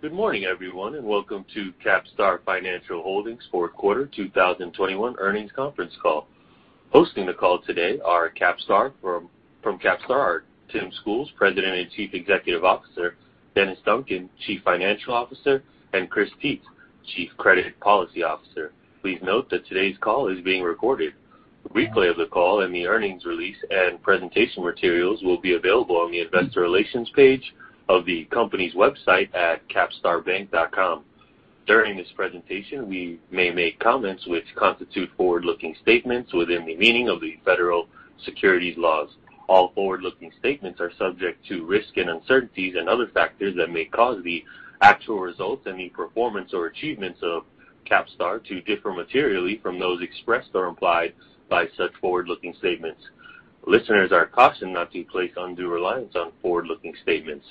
Good morning, everyone, and welcome to CapStar Financial Holdings' Q4 2021 earnings conference call. Hosting the call today are Tim Schools, President and Chief Executive Officer, Denis Duncan, Chief Financial Officer, and Chris Tietz, Chief Credit Policy Officer, from CapStar. Please note that today's call is being recorded. A replay of the call and the earnings release and presentation materials will be available on the investor relations page of the company's website at capstarbank.com. During this presentation, we may make comments which constitute forward-looking statements within the meaning of the federal securities laws. All forward-looking statements are subject to risks and uncertainties and other factors that may cause the actual results and the performance or achievements of CapStar to differ materially from those expressed or implied by such forward-looking statements. Listeners are cautioned not to place undue reliance on forward-looking statements.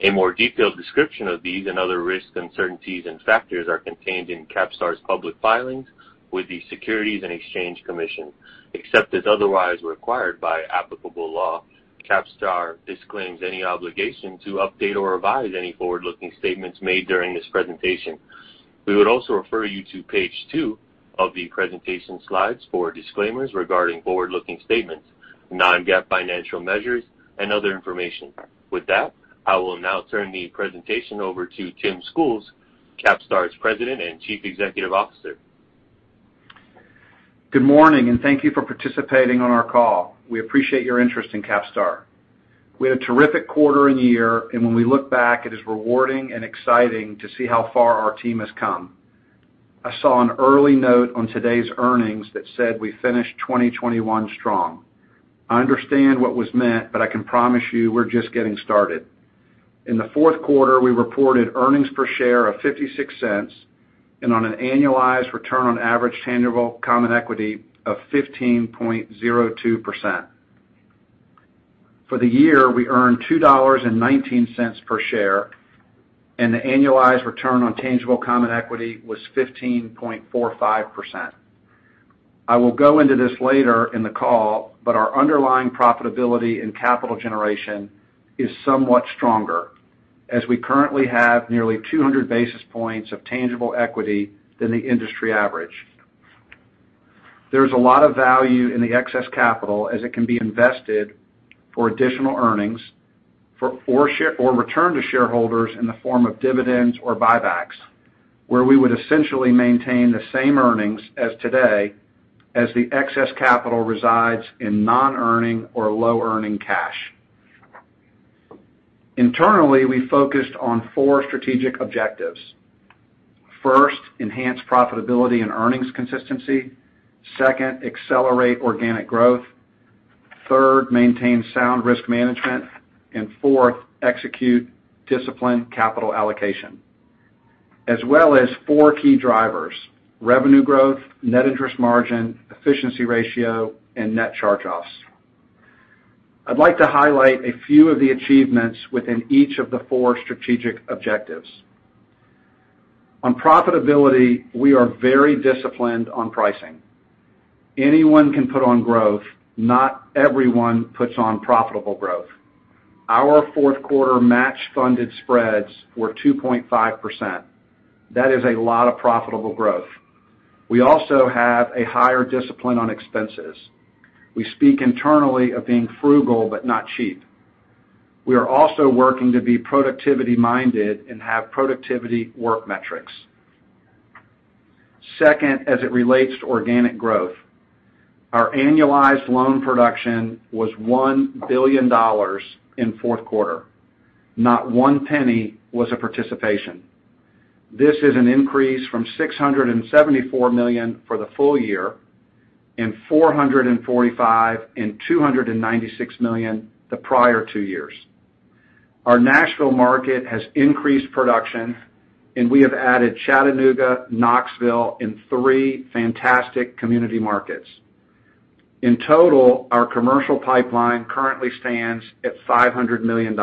A more detailed description of these and other risks, uncertainties, and factors are contained in CapStar's public filings with the Securities and Exchange Commission. Except as otherwise required by applicable law, CapStar disclaims any obligation to update or revise any forward-looking statements made during this presentation. We would also refer you to page 2 of the presentation slides for disclaimers regarding forward-looking statements, non-GAAP financial measures, and other information. With that, I will now turn the presentation over to Tim Schools, CapStar's President and Chief Executive Officer. Good morning, and thank you for participating on our call. We appreciate your interest in CapStar. We had a terrific quarter and year, and when we look back, it is rewarding and exciting to see how far our team has come. I saw an early note on today's earnings that said we finished 2021 strong. I understand what was meant, but I can promise you we're just getting started. In the Q4, we reported earnings per share of $0.56 and on an annualized return on average tangible common equity of 15.02%. For the year, we earned $2.19 per share, and the annualized return on tangible common equity was 15.45%. I will go into this later in the call, but our underlying profitability and capital generation is somewhat stronger, as we currently have nearly 200 basis points of tangible equity than the industry average. There's a lot of value in the excess capital as it can be invested for additional earnings or returned to shareholders in the form of dividends or buybacks, where we would essentially maintain the same earnings as today as the excess capital resides in non-earning or low-earning cash. Internally, we focused on four strategic objectives. First, enhance profitability and earnings consistency. Second, accelerate organic growth. Third, maintain sound risk management. Fourth, execute disciplined capital allocation, as well as four key drivers, revenue growth, net interest margin, efficiency ratio, and net charge-offs. I'd like to highlight a few of the achievements within each of the four strategic objectives. On profitability, we are very disciplined on pricing. Anyone can put on growth, not everyone puts on profitable growth. Our Q4 match-funded spreads were 2.5%. That is a lot of profitable growth. We also have a higher discipline on expenses. We speak internally of being frugal but not cheap. We are also working to be productivity-minded and have productivity work metrics. Second, as it relates to organic growth, our annualized loan production was $1 billion in Q4. Not one penny was a participation. This is an increase from $674 million for the full year and $445 million and $296 million the prior two years. Our Nashville market has increased production, and we have added Chattanooga, Knoxville in three fantastic community markets. In total, our commercial pipeline currently stands at $500 million.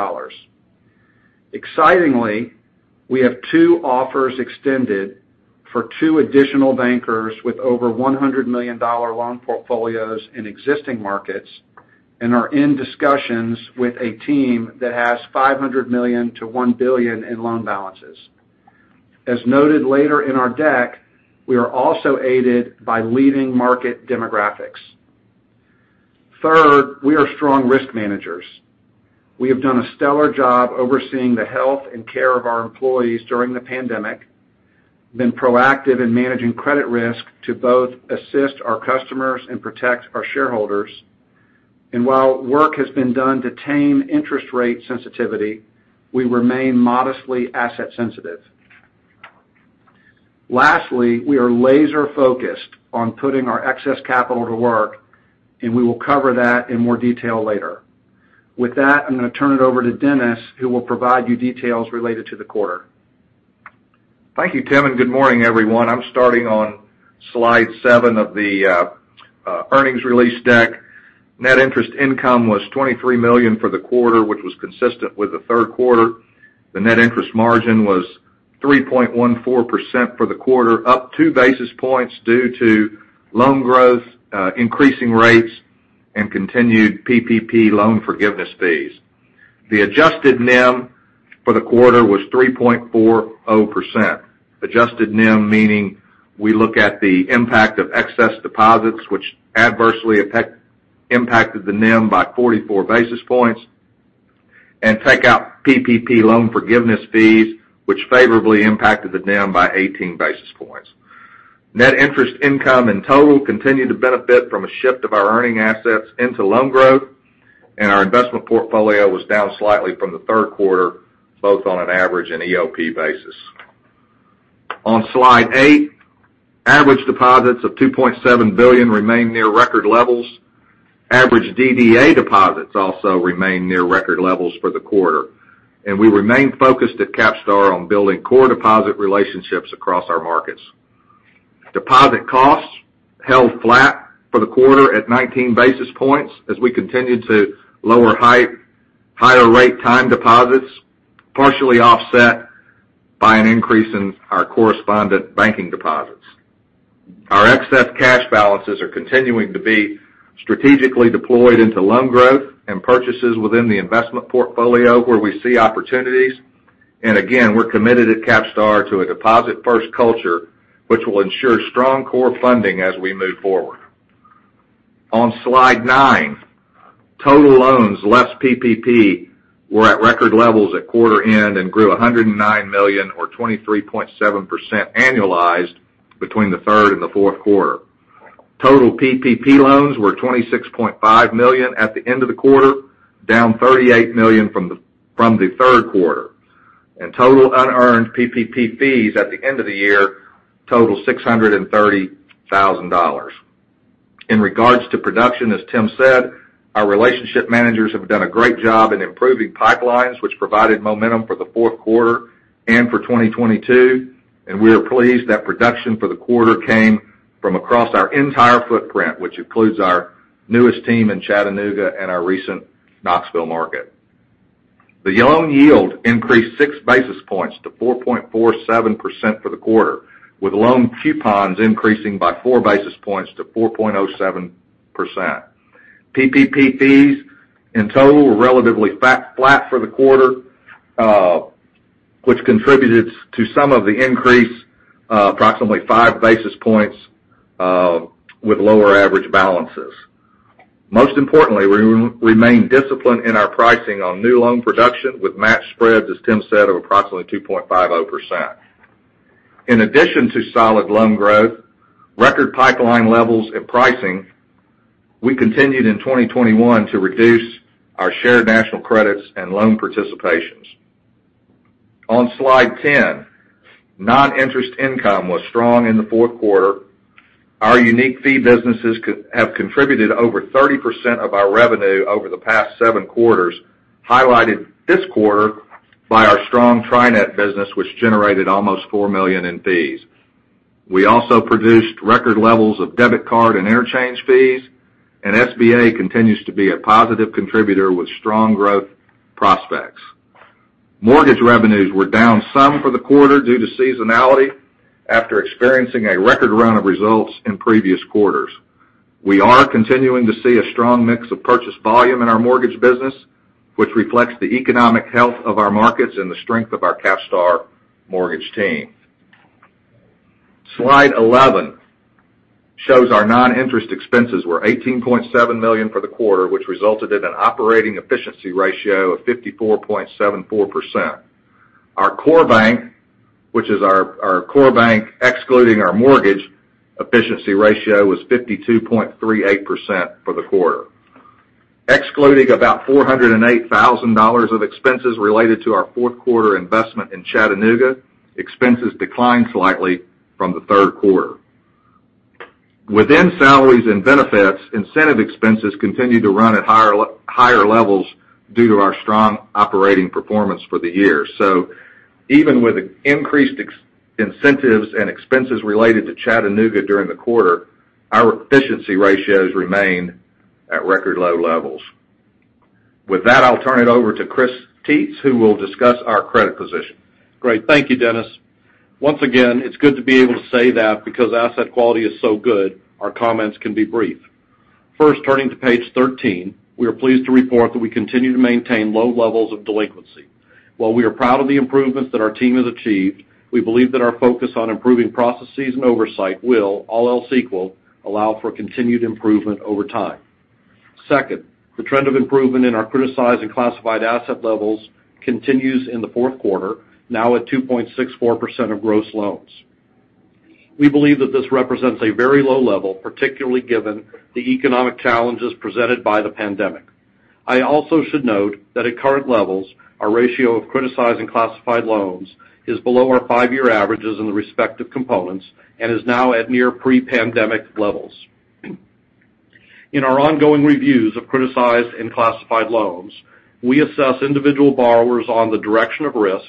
Excitingly, we have two offers extended for two additional bankers with over $100 million loan portfolios in existing markets and are in discussions with a team that has $500 million-$1 billion in loan balances. As noted later in our deck, we are also aided by leading market demographics. Third, we are strong risk managers. We have done a stellar job overseeing the health and care of our employees during the pandemic, been proactive in managing credit risk to both assist our customers and protect our shareholders. While work has been done to tame interest rate sensitivity, we remain modestly asset sensitive. Lastly, we are laser-focused on putting our excess capital to work, and we will cover that in more detail later. With that, I'm gonna turn it over to Denis, who will provide you details related to the quarter. Thank you, Tim, and good morning, everyone. I'm starting on slide seven of the earnings release deck. Net interest income was $23 million for the quarter, which was consistent with the Q3. The net interest margin was 3.14% for the quarter, up two basis points due to loan growth, increasing rates and continued PPP loan forgiveness fees. The adjusted NIM for the quarter was 3.40%. Adjusted NIM, meaning we look at the impact of excess deposits which adversely affect, impacted the NIM by 44 basis points, and take out PPP loan forgiveness fees, which favorably impacted the NIM by 18 basis points. Net interest income in total continued to benefit from a shift of our earning assets into loan growth, and our investment portfolio was down slightly from the Q3, both on an average and EOP basis. On slide eight, average deposits of $2.7 billion remain near record levels. Average DDA deposits also remain near record levels for the quarter, and we remain focused at CapStar on building core deposit relationships across our markets. Deposit costs held flat for the quarter at 19 basis points as we continued to lower higher rate time deposits, partially offset by an increase in our correspondent banking deposits. Our excess cash balances are continuing to be strategically deployed into loan growth and purchases within the investment portfolio where we see opportunities. Again, we're committed at CapStar to a deposit-first culture, which will ensure strong core funding as we move forward. On slide nine, total loans less PPP were at record levels at quarter end and grew $109 million or 23.7% annualized between the third and the Q4. Total PPP loans were $26.5 million at the end of the quarter, down $38 million from the Q3. Total unearned PPP fees at the end of the year total $630,000. In regards to production, as Tim said, our relationship managers have done a great job in improving pipelines, which provided momentum for the Q4 and for 2022, and we are pleased that production for the quarter came from across our entire footprint, which includes our newest team in Chattanooga and our recent Knoxville market. The loan yield increased 6 basis points to 4.47% for the quarter, with loan coupons increasing by 4 basis points to 4.07%. PPP fees in total were relatively flat for the quarter, which contributed to some of the increase, approximately 5 basis points, with lower average balances. Most importantly, we remain disciplined in our pricing on new loan production with match spreads, as Tim said, of approximately 2.50%. In addition to solid loan growth, record pipeline levels and pricing, we continued in 2021 to reduce our shared national credits and loan participations. On slide 10, non-interest income was strong in the Q4. Our unique fee businesses continue to have contributed over 30% of our revenue over the past 7 quarters, highlighted this quarter by our strong Tri-Net business, which generated almost $4 million in fees. We also produced record levels of debit card and interchange fees, and SBA continues to be a positive contributor with strong growth prospects. Mortgage revenues were down some for the quarter due to seasonality after experiencing a record run of results in previous quarters. We are continuing to see a strong mix of purchase volume in our mortgage business, which reflects the economic health of our markets and the strength of our CapStar mortgage team. Slide 11 shows our non-interest expenses were $18.7 million for the quarter, which resulted in an operating efficiency ratio of 54.74%. Our core bank, which is our core bank excluding our mortgage, efficiency ratio was 52.38% for the quarter. Excluding about $408,000 of expenses related to our Q4 investment in Chattanooga, expenses declined slightly from the Q3. Within salaries and benefits, incentive expenses continued to run at higher levels due to our strong operating performance for the year. Even with the increased ex-incentives and expenses related to Chattanooga during the quarter, our efficiency ratios remain at record low levels. With that, I'll turn it over to Chris Tietz, who will discuss our credit position. Great. Thank you, Den nis. Once again, it's good to be able to say that because asset quality is so good, our comments can be brief. First, turning to page 13, we are pleased to report that we continue to maintain low levels of delinquency. While we are proud of the improvements that our team has achieved, we believe that our focus on improving processes and oversight will, all else equal, allow for continued improvement over time. Second, the trend of improvement in our criticized and classified asset levels continues in the Q4, now at 2.64% of gross loans. We believe that this represents a very low level, particularly given the economic challenges presented by the pandemic. I also should note that at current levels, our ratio of criticized and classified loans is below our five-year averages in the respective components and is now at near pre-pandemic levels. In our ongoing reviews of criticized and classified loans, we assess individual borrowers on the direction of risk,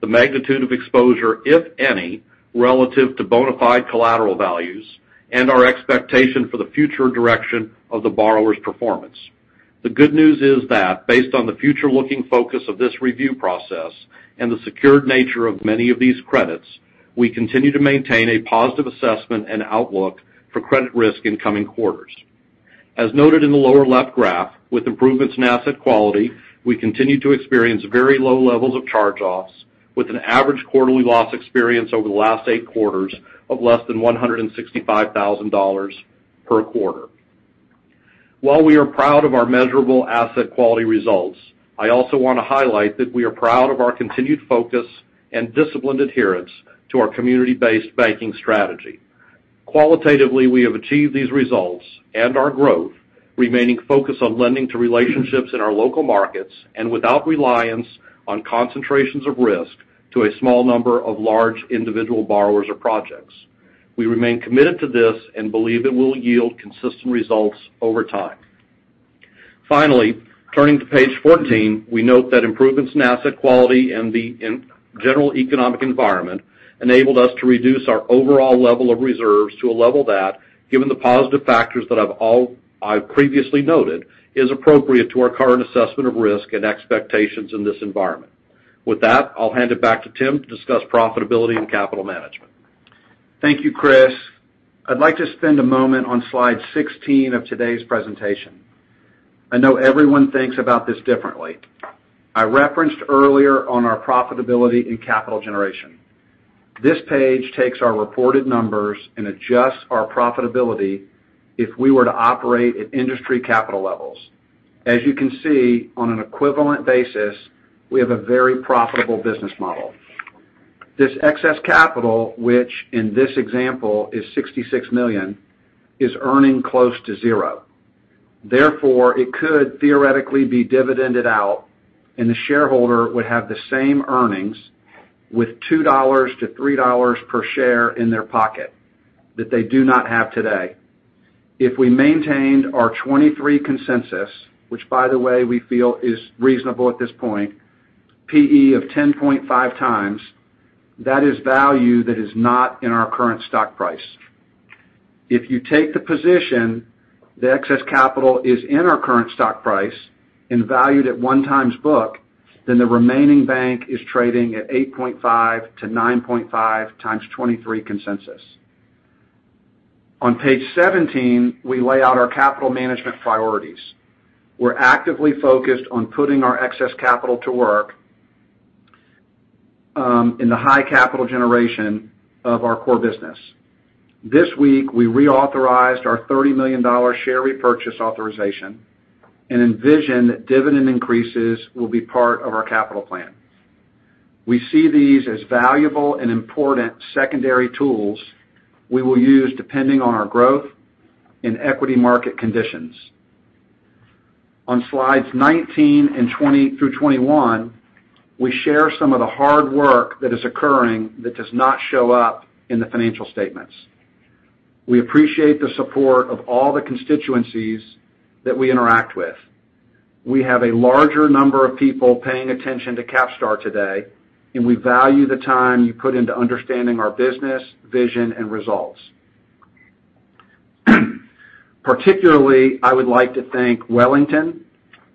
the magnitude of exposure, if any, relative to bona fide collateral values, and our expectation for the future direction of the borrower's performance. The good news is that based on the future-looking focus of this review process and the secured nature of many of these credits, we continue to maintain a positive assessment and outlook for credit risk in coming quarters. As noted in the lower-left graph, with improvements in asset quality, we continue to experience very low levels of charge-offs, with an average quarterly loss experience over the last eight quarters of less than $165,000 per quarter. While we are proud of our measurable asset quality results, I also wanna highlight that we are proud of our continued focus and disciplined adherence to our community-based banking strategy. Qualitatively, we have achieved these results and our growth remaining focused on lending to relationships in our local markets and without reliance on concentrations of risk to a small number of large individual borrowers or projects. We remain committed to this and believe it will yield consistent results over time. Finally, turning to page 14, we note that improvements in asset quality and general economic environment enabled us to reduce our overall level of reserves to a level that, given the positive factors that I've previously noted, is appropriate to our current assessment of risk and expectations in this environment. With that, I'll hand it back to Tim to discuss profitability and capital management. Thank you, Chris. I'd like to spend a moment on slide 16 of today's presentation. I know everyone thinks about this differently. I referenced earlier on our profitability and capital generation. This page takes our reported numbers and adjusts our profitability if we were to operate at industry capital levels. As you can see, on an equivalent basis, we have a very profitable business model. This excess capital, which in this example is $66 million, is earning close to zero. Therefore, it could theoretically be dividended out, and the shareholder would have the same earnings with $2-$3 per share in their pocket that they do not have today. If we maintained our 23 consensus, which by the way we feel is reasonable at this point, PE of 10.5x, that is value that is not in our current stock price. If you take the position the excess capital is in our current stock price and valued at 1x book, then the remaining bank is trading at 8.5-9.5x 23 consensus. On page 17, we lay out our capital management priorities. We're actively focused on putting our excess capital to work in the high capital generation of our core business. This week, we reauthorized our $30 million share repurchase authorization and envision that dividend increases will be part of our capital plan. We see these as valuable and important secondary tools we will use depending on our growth and equity market conditions. On slides 19 and 20-21, we share some of the hard work that is occurring that does not show up in the financial statements. We appreciate the support of all the constituencies that we interact with. We have a larger number of people paying attention to CapStar today, and we value the time you put into understanding our business, vision, and results. Particularly, I would like to thank Wellington,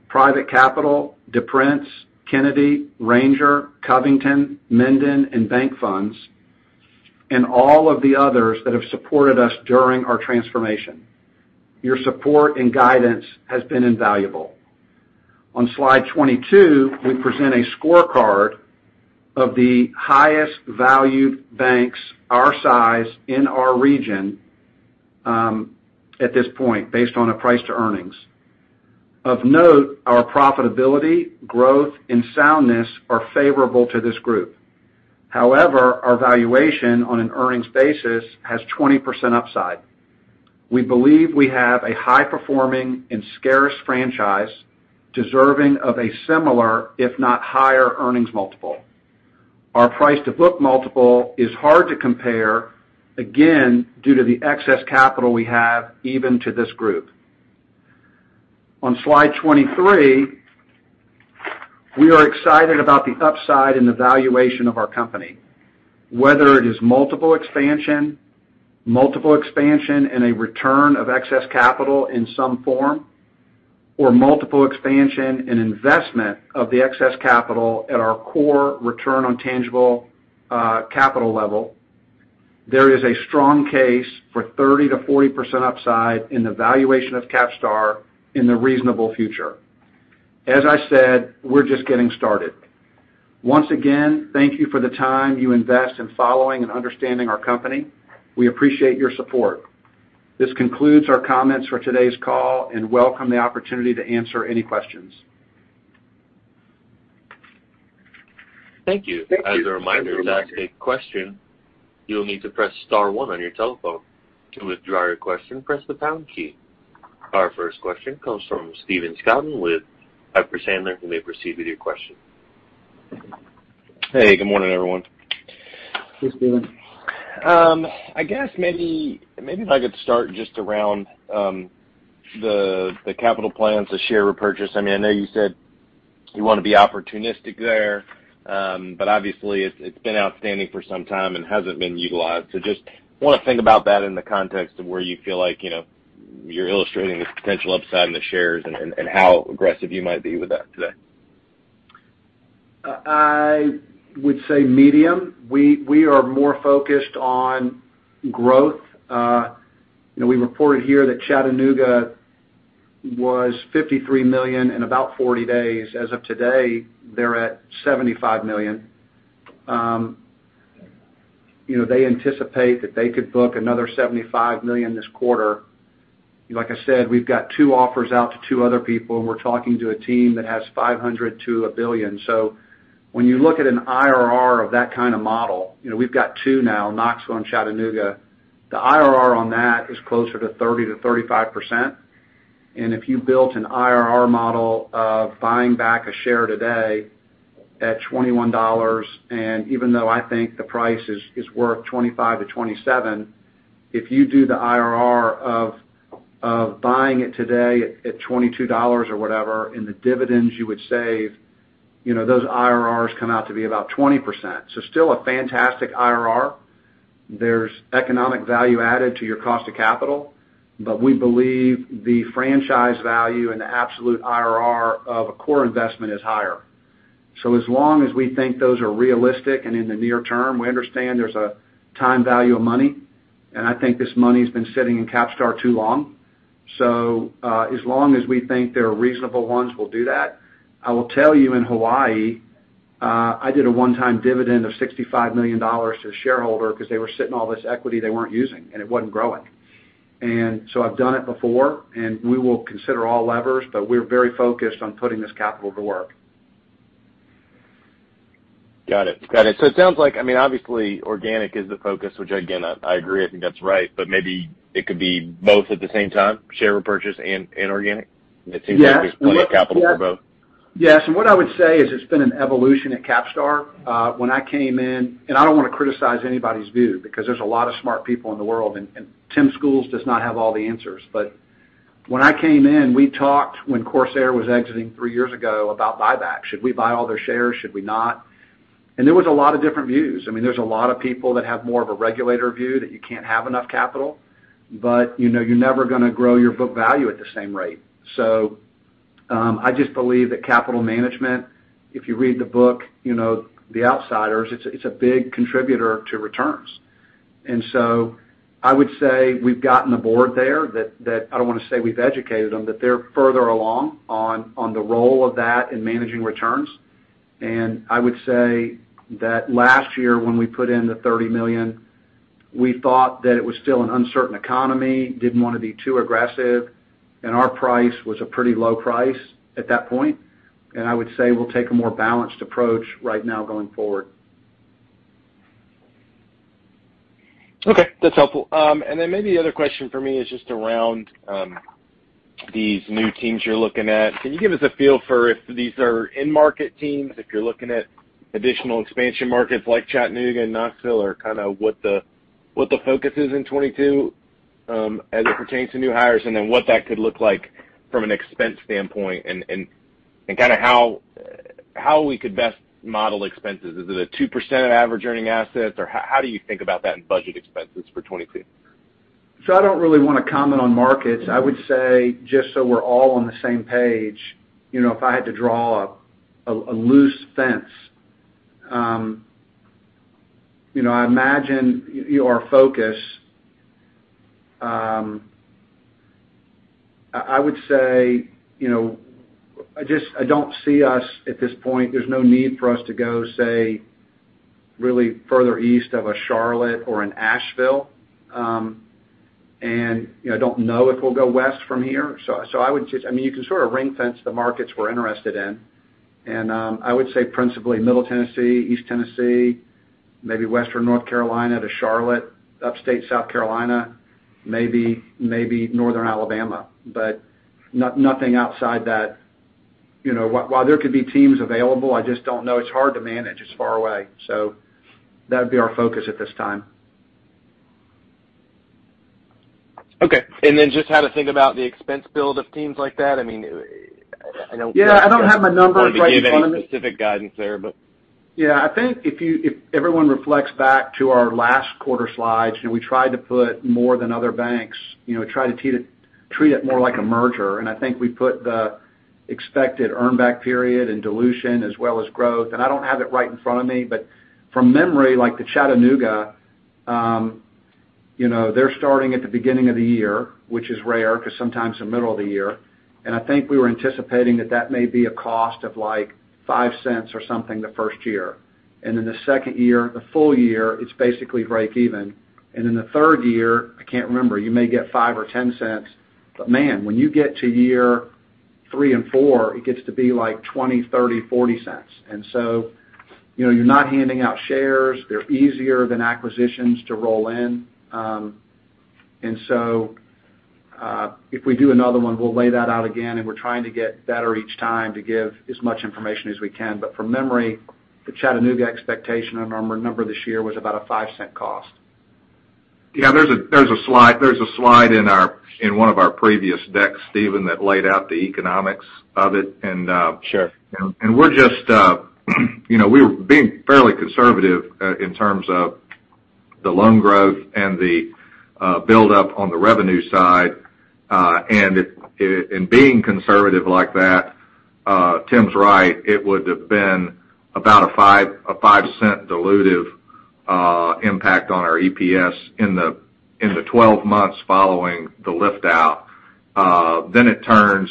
Private Capital, DePrince, Kennedy, Ranger, Covington, Mendon, and Banc Funds, and all of the others that have supported us during our transformation. Your support and guidance has been invaluable. On slide 22, we present a scorecard of the highest valued banks our size in our region, at this point based on a price to earnings. Of note, our profitability, growth, and soundness are favorable to this group. However, our valuation on an earnings basis has 20% upside. We believe we have a high-performing and scarce franchise deserving of a similar, if not higher, earnings multiple. Our price-to-book multiple is hard to compare, again, due to the excess capital we have even to this group. On slide 23, we are excited about the upside in the valuation of our company. Whether it is multiple expansion and a return of excess capital in some form, or multiple expansion and investment of the excess capital at our core return on tangible capital level, there is a strong case for 30%-40% upside in the valuation of CapStar in the reasonable future. As I said, we're just getting started. Once again, thank you for the time you invest in following and understanding our company. We appreciate your support. This concludes our comments for today's call and welcome the opportunity to answer any questions. Thank you. Thank you. As a reminder, to ask a question, you'll need to press star one on your telephone. To withdraw your question, press the pound key. Our first question comes from Stephen Scouten with Piper Sandler. You may proceed with your question. Hey, good morning, everyone. Hey, Stephen. I guess maybe if I could start just around the capital plans, the share repurchase. I mean, I know you said you wanna be opportunistic there. But obviously, it's been outstanding for some time and hasn't been utilized. Just wanna think about that in the context of where you feel like you're illustrating this potential upside in the shares and how aggressive you might be with that today. I would say medium. We are more focused on growth. You know, we reported here that Chattanooga was $53 million in about 40 days. As of today, they're at $75 million. You know, they anticipate that they could book another $75 million this quarter. Like I said, we've got two offers out to two other people, and we're talking to a team that has $500 million-$1 billion. When you look at an IRR of that kind of model we've got two now, Knoxville and Chattanooga, the IRR on that is closer to 30%-35%. If you built an IRR model of buying back a share today at $21, and even though I think the price is worth $25-$27, if you do the IRR of buying it today at $22 or whatever, and the dividends you would save those IRRs come out to be about 20%. Still a fantastic IRR. There's economic value added to your cost of capital, but we believe the franchise value and the absolute IRR of a core investment is higher. As long as we think those are realistic and in the near term, we understand there's a time value of money, and I think this money's been sitting in CapStar too long. As long as we think there are reasonable ones, we'll do that. I will tell you, in Hawaii, I did a one-time dividend of $65 million to a shareholder because they were sitting all this equity they weren't using, and it wasn't growing. I've done it before, and we will consider all levers, but we're very focused on putting this capital to work. Got it. It sounds like, I mean, obviously, organic is the focus, which again, I agree, I think that's right. Maybe it could be both at the same time, share repurchase and organic? Yes. It seems like there's plenty of capital for both. Yes. What I would say is it's been an evolution at CapStar. When I came in, I don't wanna criticize anybody's view because there's a lot of smart people in the world, and Tim Schools does not have all the answers. When I came in, we talked when Corsair was exiting three years ago about buyback. Should we buy all their shares? Should we not? There was a lot of different views. I mean, there's a lot of people that have more of a regulatory view that you can't have enough capital, but you're never gonna grow your book value at the same rate. I just believe that capital management, if you read the book The Outsiders, it's a big contributor to returns. I would say we've gotten the board there that I don't wanna say we've educated them, but they're further along on the role of that in managing returns. I would say that last year, when we put in the $30 million, we thought that it was still an uncertain economy, didn't wanna be too aggressive, and our price was a pretty low price at that point. I would say we'll take a more balanced approach right now going forward. Okay, that's helpful. And then maybe the other question for me is just around these new teams you're looking at. Can you give us a feel for if these are end market teams, if you're looking at additional expansion markets like Chattanooga and Knoxville, or kinda what the focus is in 2022, as it pertains to new hires, and then what that could look like from an expense standpoint and kinda how we could best model expenses? Is it 2% of average earning assets, or how do you think about that in budget expenses for 2022? I don't really wanna comment on markets. I would say, just so we're all on the same page if I had to draw up a loose fence I imagine our focus. I would say I just don't see us at this point. There's no need for us to go, say, really further east of a Charlotte or an Asheville. I don't know if we'll go west from here. I would just, I mean, you can sort of ring-fence the markets we're interested in. I would say principally Middle Tennessee, East Tennessee, maybe Western North Carolina to Charlotte, Upstate South Carolina, maybe Northern Alabama, but nothing outside that. You know, while there could be teams available, I just don't know. It's hard to manage. It's far away. That would be our focus at this time. Okay. Just how to think about the expense build of teams like that. I mean, I know. Yeah, I don't have my numbers right in front of me. To give any specific guidance there, but. Yeah. I think if everyone reflects back to our last quarter slides we tried to put more than other banks tried to treat it more like a merger, and I think we put the expected earn back period and dilution as well as growth. I don't have it right in front of me, but from memory, like the chattanooga they're starting at the beginning of the year, which is rare, 'cause sometimes the middle of the year. I think we were anticipating that that may be a cost of, like, $0.05 or something the first year. Then the second year, the full year, it's basically break even. In the third year, I can't remember, you may get $0.05 or $0.10. Man, when you get to year 3 and 4, it gets to be like $0.20, $0.30, $0.40. You know, you're not handing out shares. They're easier than acquisitions to roll in. If we do another one, we'll lay that out again, and we're trying to get better each time to give as much information as we can. From memory, the Chattanooga expectation on our number this year was about a 5-cent cost. Yeah, there's a slide in one of our previous decks, Stephen, that laid out the economics of it. Sure. We're just we're being fairly conservative in terms of the loan growth and the buildup on the revenue side. Being conservative like that, Tim's right, it would have been about a $0.05 dilutive impact on our EPS in the 12 months following the lift out. Then it turns,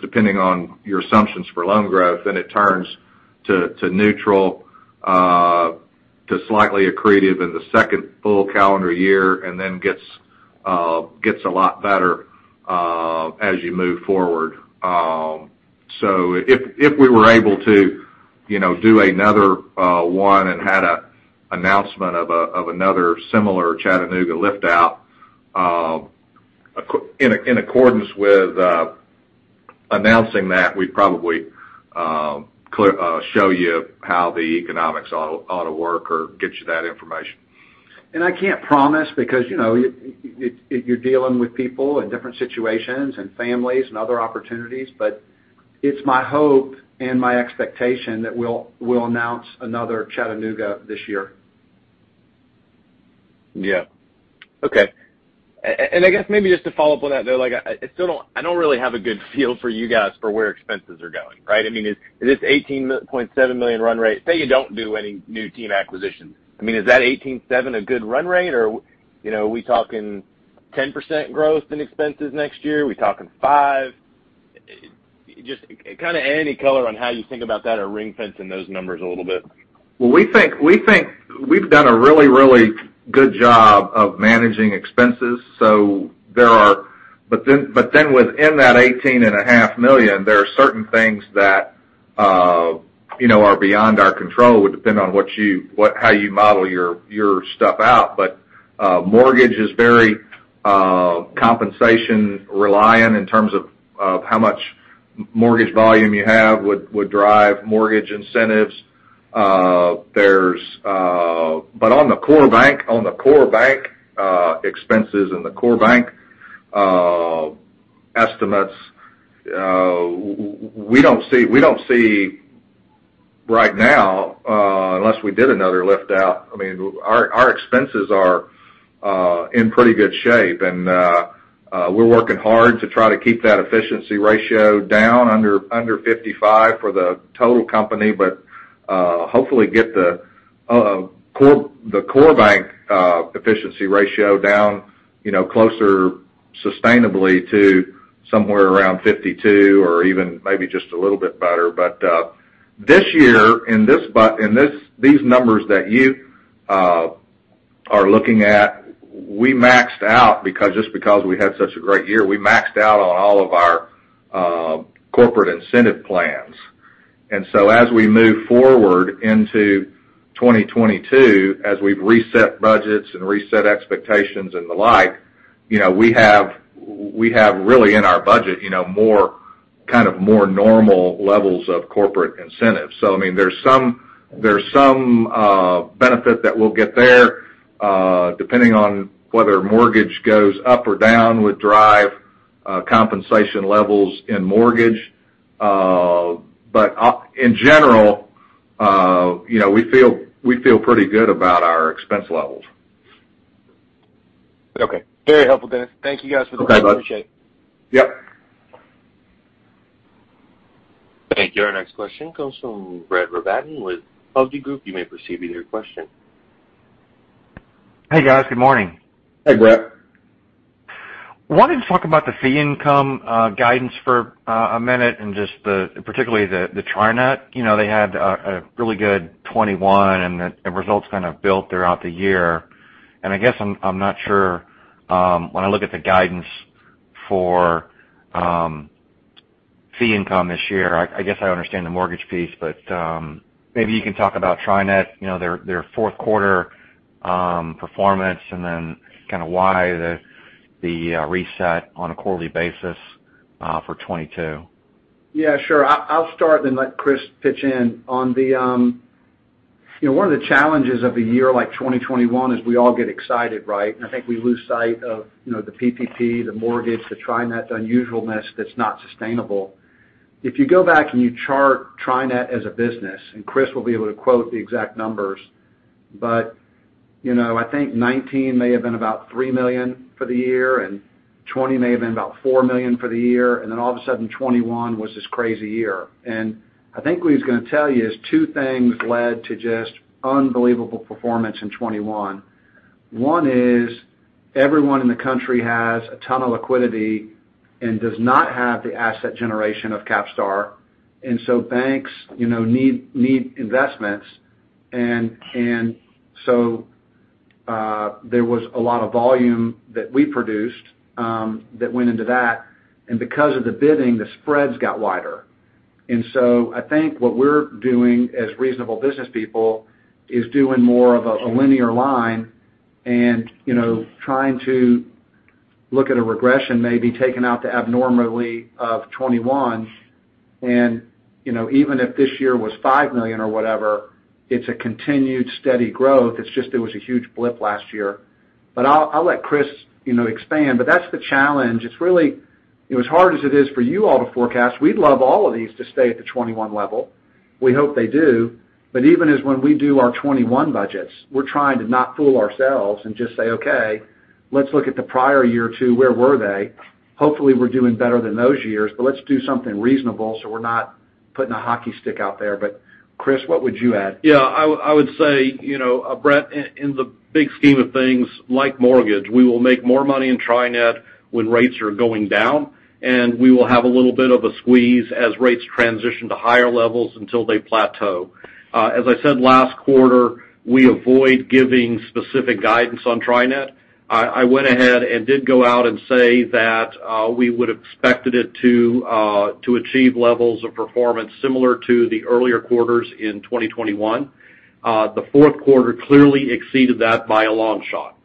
depending on your assumptions for loan growth, to neutral to slightly accretive in the second full calendar year, and then gets a lot better as you move forward. If we were able to do another one and had an announcement of another similar Chattanooga lift out, in accordance with announcing that, we'd probably show you how the economics ought to work or get you that information. I can't promise because you're dealing with people in different situations and families and other opportunities, but it's my hope and my expectation that we'll announce another Chattanooga this year. Yeah. Okay. And I guess maybe just to follow up on that, though, like I still don't really have a good feel for you guys for where expenses are going, right? I mean, is this $18.7 million run rate? Say you don't do any new team acquisitions. I mean, is that $18.7 a good run rate or are we talking 10% growth in expenses next year? We talking 5%? Just kinda any color on how you think about that or ring fencing those numbers a little bit. Well, we think we've done a really good job of managing expenses, so there are certain things within that $18.5 million that are beyond our control. It would depend on how you model your stuff out. Mortgage is very compensation reliant in terms of how much mortgage volume you have would drive mortgage incentives. On the core bank expenses and the core bank estimates, we don't see right now, unless we did another lift out, I mean, our expenses are in pretty good shape. We're working hard to try to keep that efficiency ratio down under 55% for the total company, but hopefully get the core bank efficiency ratio down closer sustainably to somewhere around 52% or even maybe just a little bit better. This year, these numbers that you are looking at, we maxed out because we had such a great year, we maxed out on all of our corporate incentive plans. As we move forward into 2022, as we've reset budgets and reset expectations and the like we have really in our budget more kind of normal levels of corporate incentives. I mean, there's some benefit that we'll get there, depending on whether mortgage goes up or down would drive compensation levels in mortgage. In general we feel pretty good about our expense levels. Okay. Very helpful, Denis. Thank you guys for the call. Okay, bud. Appreciate it. Yep. Thank you. Our next question comes from Brett Rabatin with Hovde Group. You may proceed with your question. Hey, guys. Good morning. Hey, Brett. wanted to talk about the fee income guidance for a minute and just particularly the Tri-Net. You know, they had a really good 2021, and the results kind of built throughout the year. I guess I'm not sure when I look at the guidance for fee income this year. I guess I understand the mortgage piece, but maybe you can talk about tri-net their Q4 performance, and then kinda why the reset on a quarterly basis for 2022. Yeah, sure. I'll start then let Chris pitch in. You know, one of the challenges of a year like 2021 is we all get excited, right? I think we lose sight of the PPP, the mortgage, the Tri-Net, the unusualness that's not sustainable. If you go back and you chart Tri-Net as a business, and Chris will be able to quote the exact numbers, but I think 2019 may have been about $3 million for the year, and 2020 may have been about $4 million for the year, and then all of a sudden, 2021 was this crazy year. I think what he's gonna tell you is two things led to just unbelievable performance in 2021. One is everyone in the country has a ton of liquidity and does not have the asset generation of CapStar, so banks need investments. So there was a lot of volume that we produced that went into that. Because of the bidding, the spreads got wider. So I think what we're doing as reasonable business people is doing more of a linear line and trying to look at a regression, maybe taking out the abnormality of 2021. You know, even if this year was $5 million or whatever, it's a continued steady growth. It's just there was a huge blip last year. But I'll let chris expand, but that's the challenge. It's really it was hard as it is for you all to forecast. We'd love all of these to stay at the 2021 level. We hope they do. Even when we do our 2021 budgets, we're trying to not fool ourselves and just say, "Okay, let's look at the prior year or two, where were they? Hopefully, we're doing better than those years, but let's do something reasonable so we're not putting a hockey stick out there." Chris, what would you add? Yeah, I would say Brett, in the big scheme of things like mortgage, we will make more money in Tri-Net when rates are going down, and we will have a little bit of a squeeze as rates transition to higher levels until they plateau. As I said last quarter, we avoid giving specific guidance on Tri-Net. I went ahead and did go out and say that we would have expected it to achieve levels of performance similar to the earlier quarters in 2021. The Q4 clearly exceeded that by a long shot.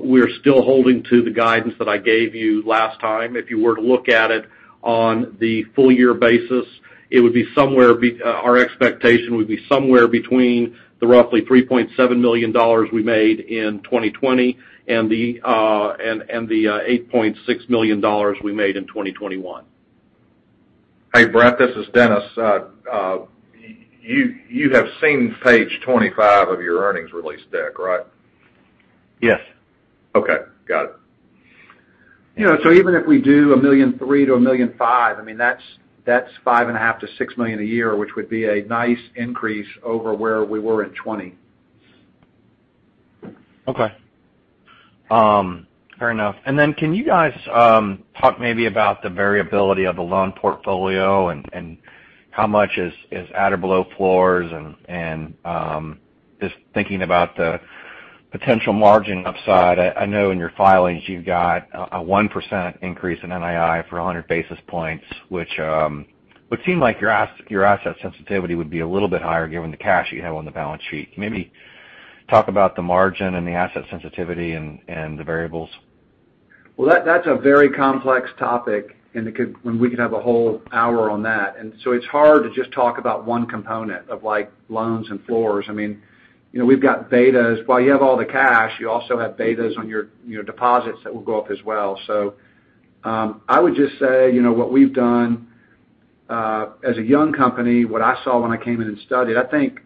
We're still holding to the guidance that I gave you last time. If you were to look at it on the full year basis, it would be somewhere our expectation would be somewhere between the roughly $3.7 million we made in 2020 and the $8.6 million we made in 2021. Hey, Brett, this is Denis. You have seen page 25 of your earnings release deck, right? Yes. Okay. Got it. You know, even if we do $1.3 million-$1.5 million, I mean, that's $5.5 million-$6 million a year, which would be a nice increase over where we were in 2020. Okay. Fair enough. Can you guys talk maybe about the variability of the loan portfolio and how much is at or below floors and just thinking about the potential margin upside. I know in your filings, you've got a 1% increase in NII for 100 basis points, which would seem like your asset sensitivity would be a little bit higher given the cash you have on the balance sheet. Can you maybe talk about the margin and the asset sensitivity and the variables? That's a very complex topic, and we could have a whole hour on that. It's hard to just talk about one component of, like, loans and floors. I mean we've got betas. While you have all the cash, you also have betas on your deposits that will go up as well. I would just say what we've done, as a young company, what I saw when I came in and studied, I think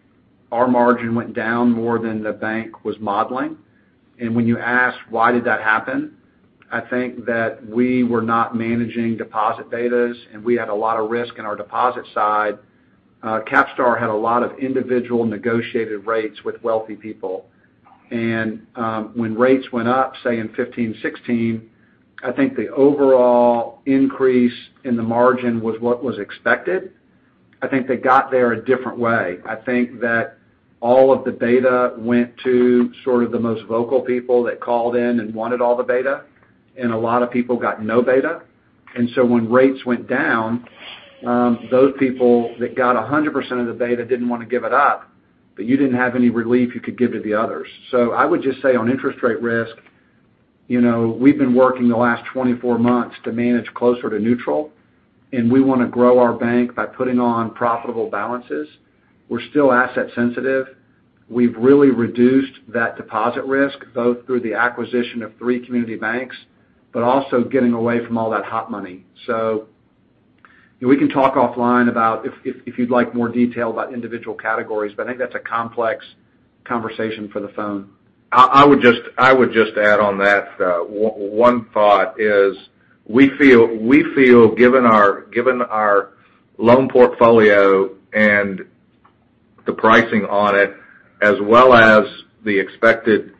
our margin went down more than the bank was modeling. When you ask why did that happen, I think that we were not managing deposit betas, and we had a lot of risk in our deposit side. CapStar had a lot of individual negotiated rates with wealthy people. When rates went up, say, in 2015, 2016, I think the overall increase in the margin was what was expected. I think they got there a different way. I think that all of the beta went to sort of the most vocal people that called in and wanted all the beta, and a lot of people got no beta. When rates went down, those people that got 100% of the beta didn't wanna give it up, but you didn't have any relief you could give to the others. I would just say on interest rate risk we've been working the last 24 months to manage closer to neutral, and we wanna grow our bank by putting on profitable balances. We're still asset sensitive. We've really reduced that deposit risk, both through the acquisition of three community banks, but also getting away from all that hot money. We can talk offline about if you'd like more detail about individual categories, but I think that's a complex conversation for the phone. I would just add on that one thought is we feel given our loan portfolio and the pricing on it, as well as the expected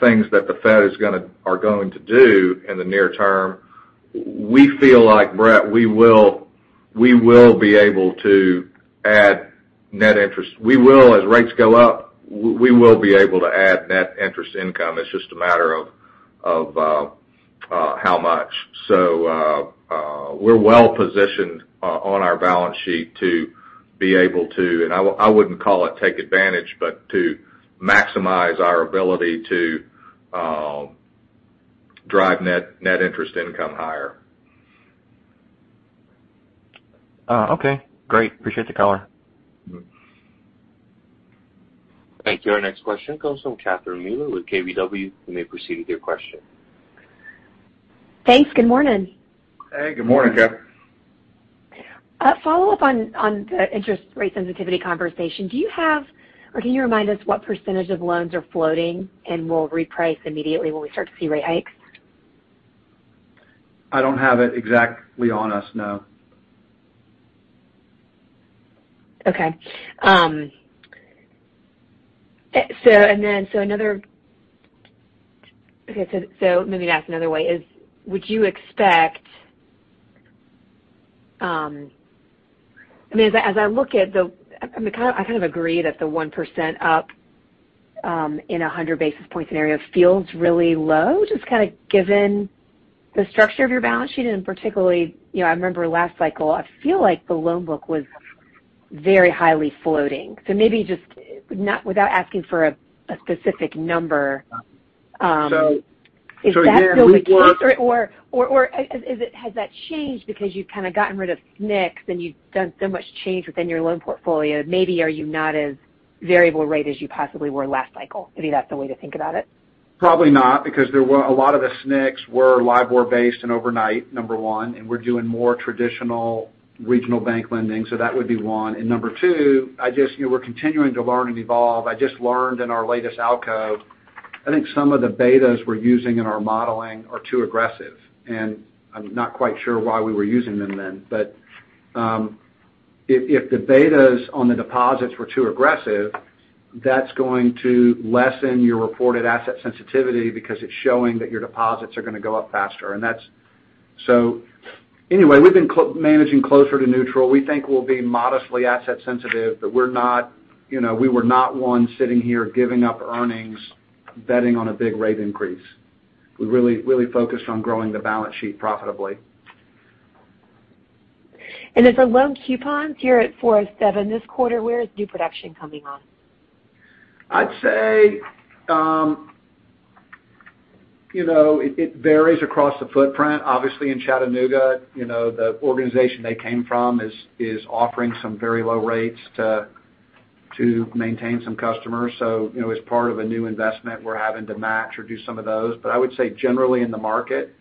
things that the Fed are going to do in the near term, we feel like, Brett, we will be able to add net interest. We will, as rates go up, we will be able to add net interest income. It's just a matter of how much. We're well-positioned on our balance sheet to be able to. I wouldn't call it take advantage, but to maximize our ability to drive net interest income higher. Okay. Great. Appreciate the color. Thank you. Our next question comes from Catherine Mealor with KBW. You may proceed with your question. Thanks. Good morning. Hey, good morning, Catherine. A follow-up on the interest rate sensitivity conversation. Do you have, or can you remind us what percentage of loans are floating and will reprice immediately when we start to see rate hikes? I don't have it exactly on us, no. Let me ask another way. Would you expect? I mean, as I look at the. I mean, I kind of agree that the 1% up in a 100 basis points scenario feels really low, just kinda given the structure of your balance sheet, and particularly I remember last cycle. I feel like the loan book was very highly floating. Maybe just not without asking for a specific number. Again we work Is that still the case, or is it, has that changed because you've kind of gotten rid of SNICS and you've done so much change within your loan portfolio, maybe are you not as variable rate as you possibly were last cycle? Maybe that's the way to think about it. Probably not, because there were a lot of the SNICS were LIBOR-based and overnight, number one, and we're doing more traditional regional bank lending, so that would be one. Number two, I just we're continuing to learn and evolve. I just learned in our latest ALCO, I think some of the betas we're using in our modeling are too aggressive, and I'm not quite sure why we were using them then. If the betas on the deposits were too aggressive, that's going to lessen your reported asset sensitivity because it's showing that your deposits are gonna go up faster. Anyway, we've been managing closer to neutral. We think we'll be modestly asset sensitive, but we're not we were not one sitting here giving up earnings betting on a big rate increase. We're really, really focused on growing the balance sheet profitably. As the loan coupons, you're at 4.07% this quarter, where is new production coming on? I'd say it varies across the footprint. Obviously, in chattanooga the organization they came from is offering some very low rates to maintain some customers. You know, as part of a new investment, we're having to match or do some of those. I would say generally in the market,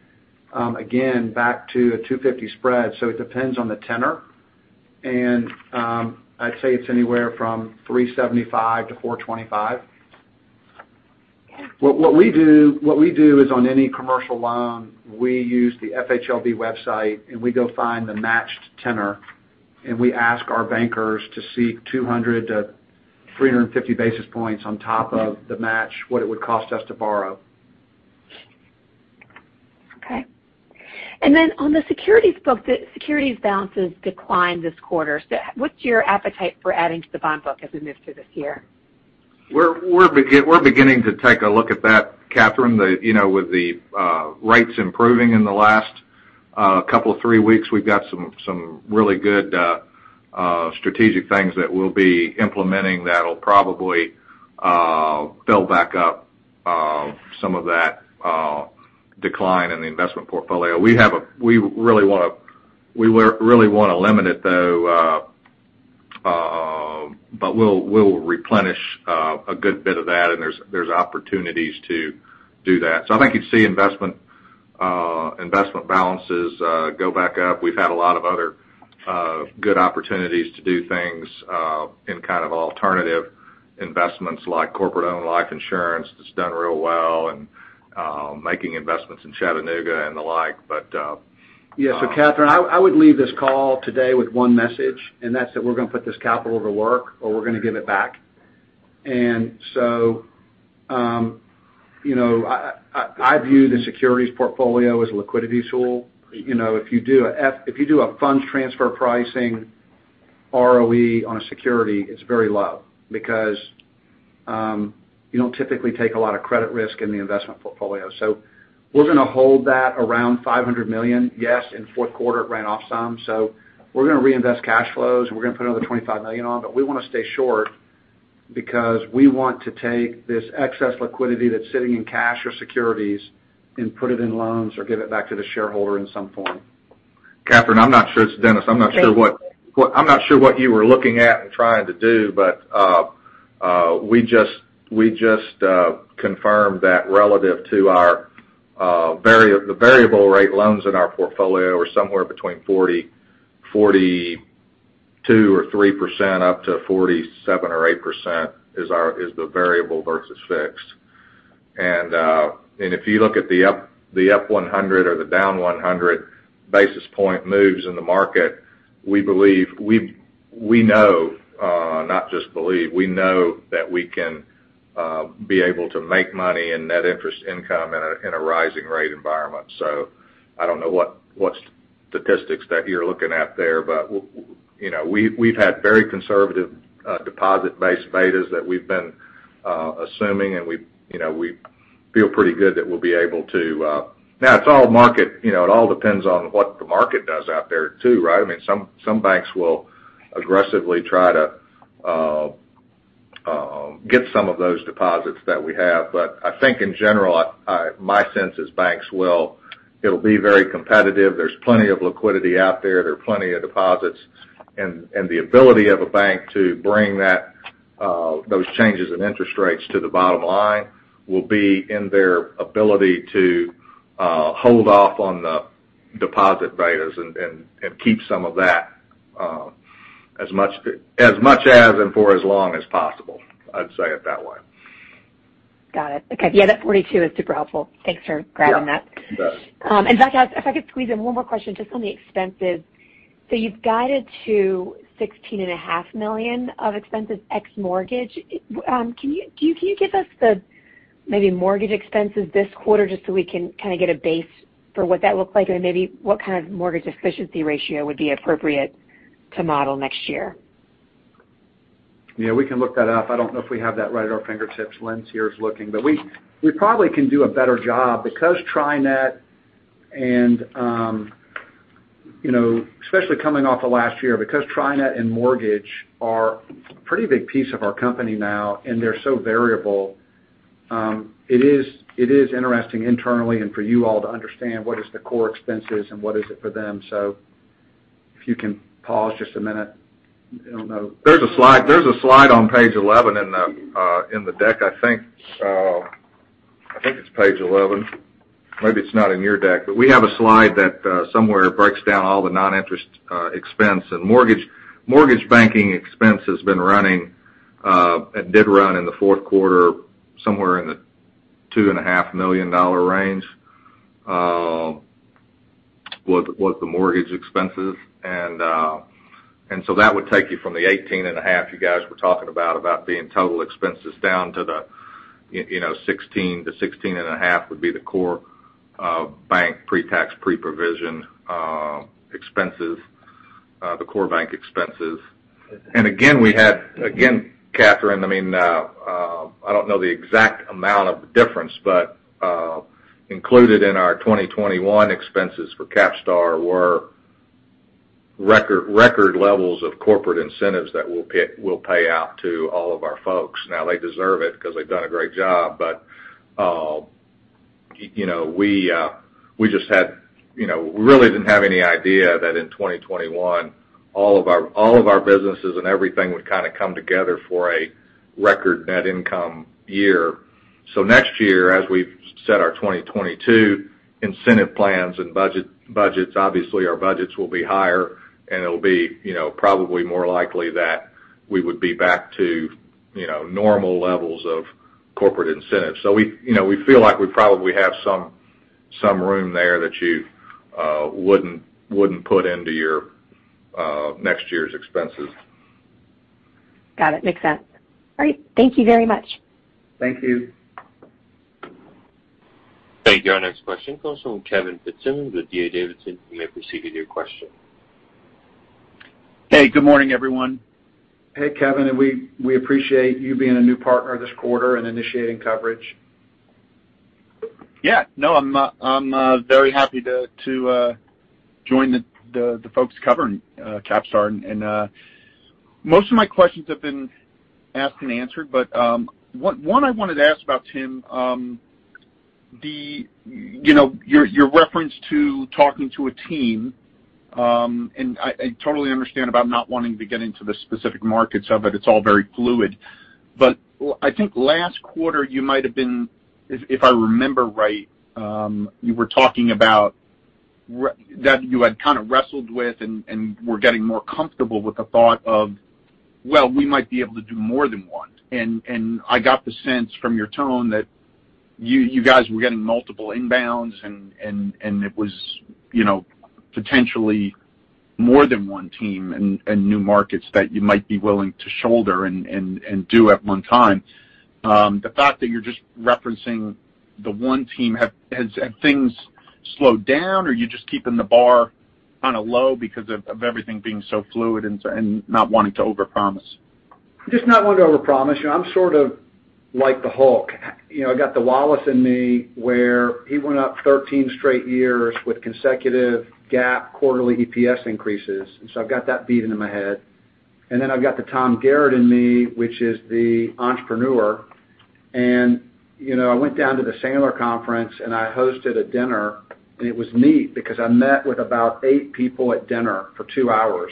again, back to a 250 spread, so it depends on the tenor. I'd say it's anywhere from 375-425. What we do is on any commercial loan, we use the FHLB website, and we go find the matched tenor, and we ask our bankers to seek 200-350 basis points on top of the match, what it would cost us to borrow. Okay. On the securities book, the securities balances declined this quarter. What's your appetite for adding to the bond book as we move through this year? We're beginning to take a look at that, Catherine. You know, with the rates improving in the last 2-3 weeks, we've got some really good strategic things that we'll be implementing that'll probably build back up some of that decline in the investment portfolio. We really wanna limit it, though, but we'll replenish a good bit of that, and there's opportunities to do that. I think you'd see investment balances go back up. We've had a lot of other good opportunities to do things in kind of alternative investments like corporate-owned life insurance that's done real well and making investments in Chattanooga and the like. Yes. Catherine, I would leave this call today with one message, and that's that we're gonna put this capital to work or we're gonna give it back. You know, I view the securities portfolio as a liquidity tool. You know, if you do a fund transfer pricing ROE on a security, it's very low because you don't typically take a lot of credit risk in the investment portfolio. We're gonna hold that around $500 million. Yes, in Q4 it ran off some, so we're gonna reinvest cash flows and we're gonna put another $25 million on, but we wanna stay short because we want to take this excess liquidity that's sitting in cash or securities and put it in loans or give it back to the shareholder in some form. Catherine, I'm not sure. It's Denis. I'm not sure what you were looking at and trying to do, but we just confirmed that relative to the variable rate loans in our portfolio are somewhere between 40, 42 or 43% up to 47 or 48% is the variable versus fixed. If you look at the up 100 or the down 100 basis point moves in the market, we know, not just believe, we know that we can be able to make money and net interest income in a rising rate environment. I don't know what statistics that you're looking at there, but you know, we've had very conservative deposit-based betas that we've been assuming, and we feel pretty good that we'll be able to. Now it's all market. You know, it all depends on what the market does out there too, right? I mean, some banks will aggressively try to get some of those deposits that we have. But I think in general, my sense is banks will. It'll be very competitive. There's plenty of liquidity out there. There are plenty of deposits. The ability of a bank to bring those changes in interest rates to the bottom line will be in their ability to hold off on the deposit betas and keep some of that, as much as and for as long as possible. I'd say it that way. Got it. Okay. Yeah, that 42 is super helpful. Thanks for grabbing that. Yeah. You bet. In fact, if I could squeeze in one more question just on the expenses. You've guided to $16.5 million of expenses ex mortgage. Can you give us, maybe, the mortgage expenses this quarter just so we can kind of get a base for what that looks like and maybe what kind of mortgage efficiency ratio would be appropriate to model next year? Yeah, we can look that up. I don't know if we have that right at our fingertips. Lynn's here is looking. We probably can do a better job because Tri-Net and especially coming off of last year, because Tri-Net and mortgage are a pretty big piece of our company now, and they're so variable, it is interesting internally and for you all to understand what is the core expenses and what is it for them. If you can pause just a minute. I don't know. There's a slide on page 11 in the deck. I think it's page 11. Maybe it's not in your deck, but we have a slide that somewhere breaks down all the non-interest expense. Mortgage banking expense has been running. It did run in the Q4 somewhere in the $2.5 million range. That was the mortgage expenses. That would take you from the $18.5 million you guys were talking about being total expenses down to $16 million-$16.5 million would be the core bank pre-tax, pre-provision expenses, the core bank expenses. Again, Catherine, I mean, I don't know the exact amount of difference, but included in our 2021 expenses for CapStar were record levels of corporate incentives that we'll pay out to all of our folks. Now, they deserve it because they've done a great job. you know, we just had really didn't have any idea that in 2021, all of our businesses and everything would kind of come together for a record net income year. Next year, as we've set our 2022 incentive plans and budgets, obviously, our budgets will be higher, and it'll be probably more likely that we would be back to normal levels of corporate incentives. we feel like we probably have some room there that you wouldn't put into your next year's expenses. Got it. Makes sense. All right. Thank you very much. Thank you. Thank you. Our next question comes from Kevin Fitzsimmons with D.A. Davidson. You may proceed with your question. Hey, good morning, everyone. Hey, Kevin. We appreciate you being a new partner this quarter and initiating coverage. Yeah. No, I'm very happy to join the folks covering CapStar. Most of my questions have been asked and answered. One I wanted to ask about, Tim. You know, your reference to talking to a team, and I totally understand about not wanting to get into the specific markets of it. It's all very fluid. I think last quarter, you might have been, if I remember right, you were talking about that you had kind of wrestled with and were getting more comfortable with the thought of, well, we might be able to do more than one. I got the sense from your tone that you guys were getting multiple inbounds and it was potentially more than one team and new markets that you might be willing to shoulder and do at one time. The fact that you're just referencing the one team, has things slowed down, or you're just keeping the bar kind of low because of everything being so fluid and not wanting to overpromise? Just not wanting to overpromise. You know, I'm sort of like the Hulk. You know, I got the Wallace in me, where he went up 13 straight years with consecutive GAAP quarterly EPS increases. I've got that beat into my head. Then I've got the Tom Garrott in me, which is the entrepreneur. You know, I went down to the Sandler conference, and I hosted a dinner, and it was neat because I met with about 8 people at dinner for 2 hours.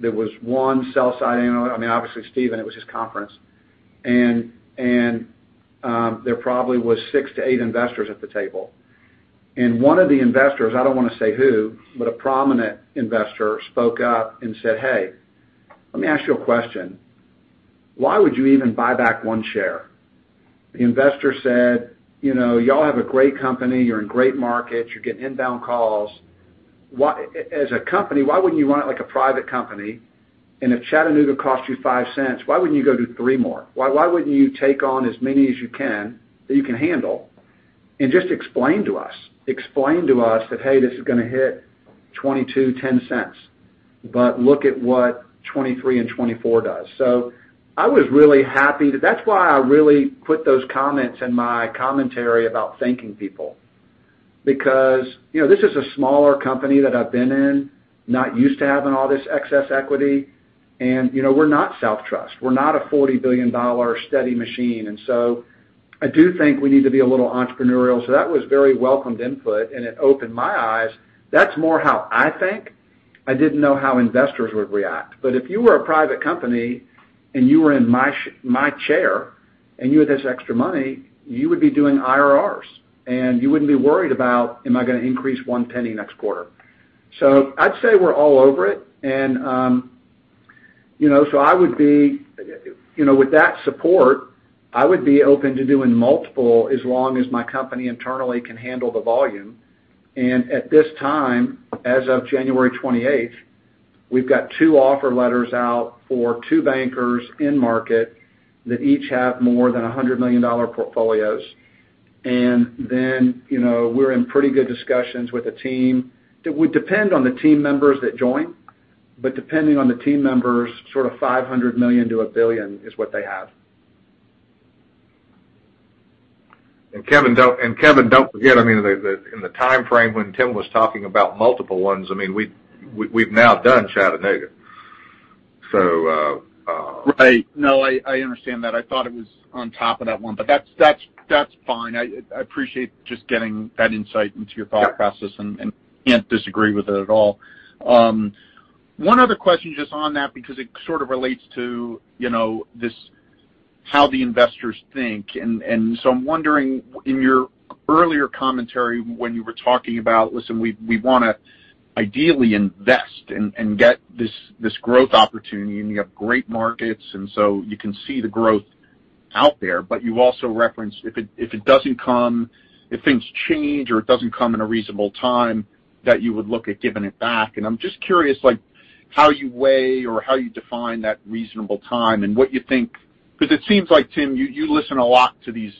There was one sell-side analyst. I mean, obviously, Stephen, it was his conference. There probably was 6-8 investors at the table. One of the investors, I don't want to say who, but a prominent investor spoke up and said, "Hey, let me ask you a question. Why would you even buy back 1 share?" The investor said, "You know, y'all have a great company. You're in great markets. You're getting inbound calls. Why, as a company, why wouldn't you run it like a private company? If Chattanooga costs you $0.05, why wouldn't you go do three more? Why wouldn't you take on as many as you can, that you can handle, and just explain to us that, hey, this is gonna hit 22, $0.10, but look at what 2023 and 2024 does." I was really happy. That's why I really put those comments in my commentary about thanking people because this is a smaller company that I've been in, not used to having all this excess equity. You know, we're not SouthTrust. We're not a $40 billion steady machine. I do think we need to be a little entrepreneurial. That was very welcomed input, and it opened my eyes. That's more how I think. I didn't know how investors would react. If you were a private company and you were in my chair and you had this extra money, you would be doing IRRs, and you wouldn't be worried about, am I gonna increase one penny next quarter. I'd say we're all over it. You know, I would be with that support, I would be open to doing multiple as long as my company internally can handle the volume. As of January 28th, we've got 2 offer letters out for 2 bankers in market that each have more than $100 million portfolios. then we're in pretty good discussions with the team. It would depend on the team members that join, but depending on the team members, sort of $500 million-$1 billion is what they have. Kevin, don't forget, I mean, the in the time frame when Tim was talking about multiple ones, I mean, we've now done Chattanooga, so Right. No, I understand that. I thought it was on top of that one, but that's fine. I appreciate just getting that insight into your thought process. Yeah and can't disagree with it at all. One other question just on that because it sort of relates to this how the investors think. I'm wondering in your earlier commentary when you were talking about, listen, we wanna ideally invest and get this growth opportunity, and you have great markets, and so you can see the growth out there. You also referenced if it doesn't come, if things change or it doesn't come in a reasonable time, that you would look at giving it back. I'm just curious, like, how you weigh or how you define that reasonable time and what you think. Because it seems like, Tim, you listen a lot to these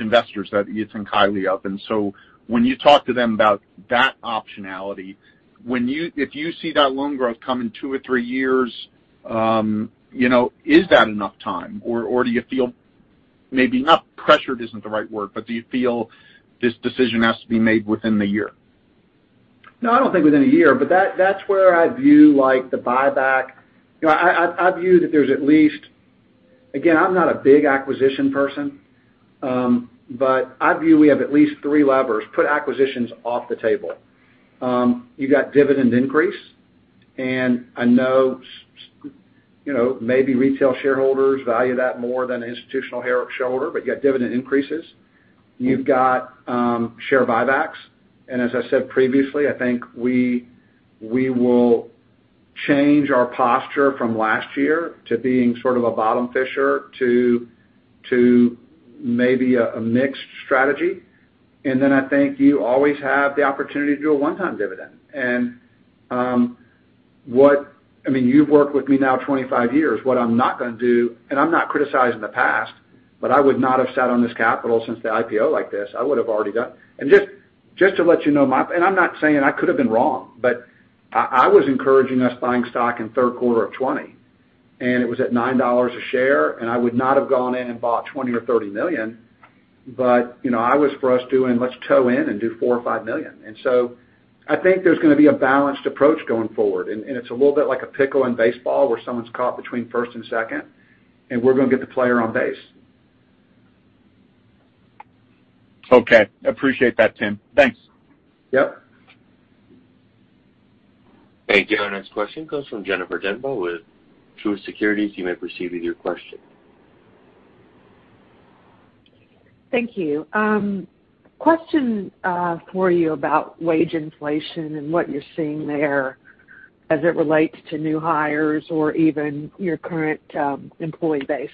investors that you and Kylie have. When you talk to them about that optionality, if you see that loan growth come in two or three years is that enough time or do you feel maybe not pressured isn't the right word, but do you feel this decision has to be made within the year? No, I don't think within a year, but that's where I view, like, the buyback. You know, I view that there's at least three levers, putting acquisitions off the table. You got dividend increase, and I know you know, maybe retail shareholders value that more than institutional shareholders, but you got dividend increases. You've got share buybacks, and as I said previously, I think we will change our posture from last year to being sort of a bottom fisher to maybe a mixed strategy. I think you always have the opportunity to do a one-time dividend. I mean, you've worked with me now 25 years. What I'm not gonna do, and I'm not criticizing the past, but I would not have sat on this capital since the IPO like this. I would've already done. Just to let you know my. I'm not saying I could have been wrong, but I was encouraging us buying stock in Q3 of 2020, and it was at $9 a share, and I would not have gone in and bought $20 million or $30 million. You know, I was for us doing, let's toe in and do $4 million or $5 million. I think there's gonna be a balanced approach going forward, and it's a little bit like a pickle in baseball where someone's caught between first and second, and we're gonna get the player on base. Okay. I appreciate that, Tim. Thanks. Yep. Hey, the next question comes from Jennifer Demba with Truist Securities. You may proceed with your question. Thank you. Question for you about wage inflation and what you're seeing there as it relates to new hires or even your current employee base.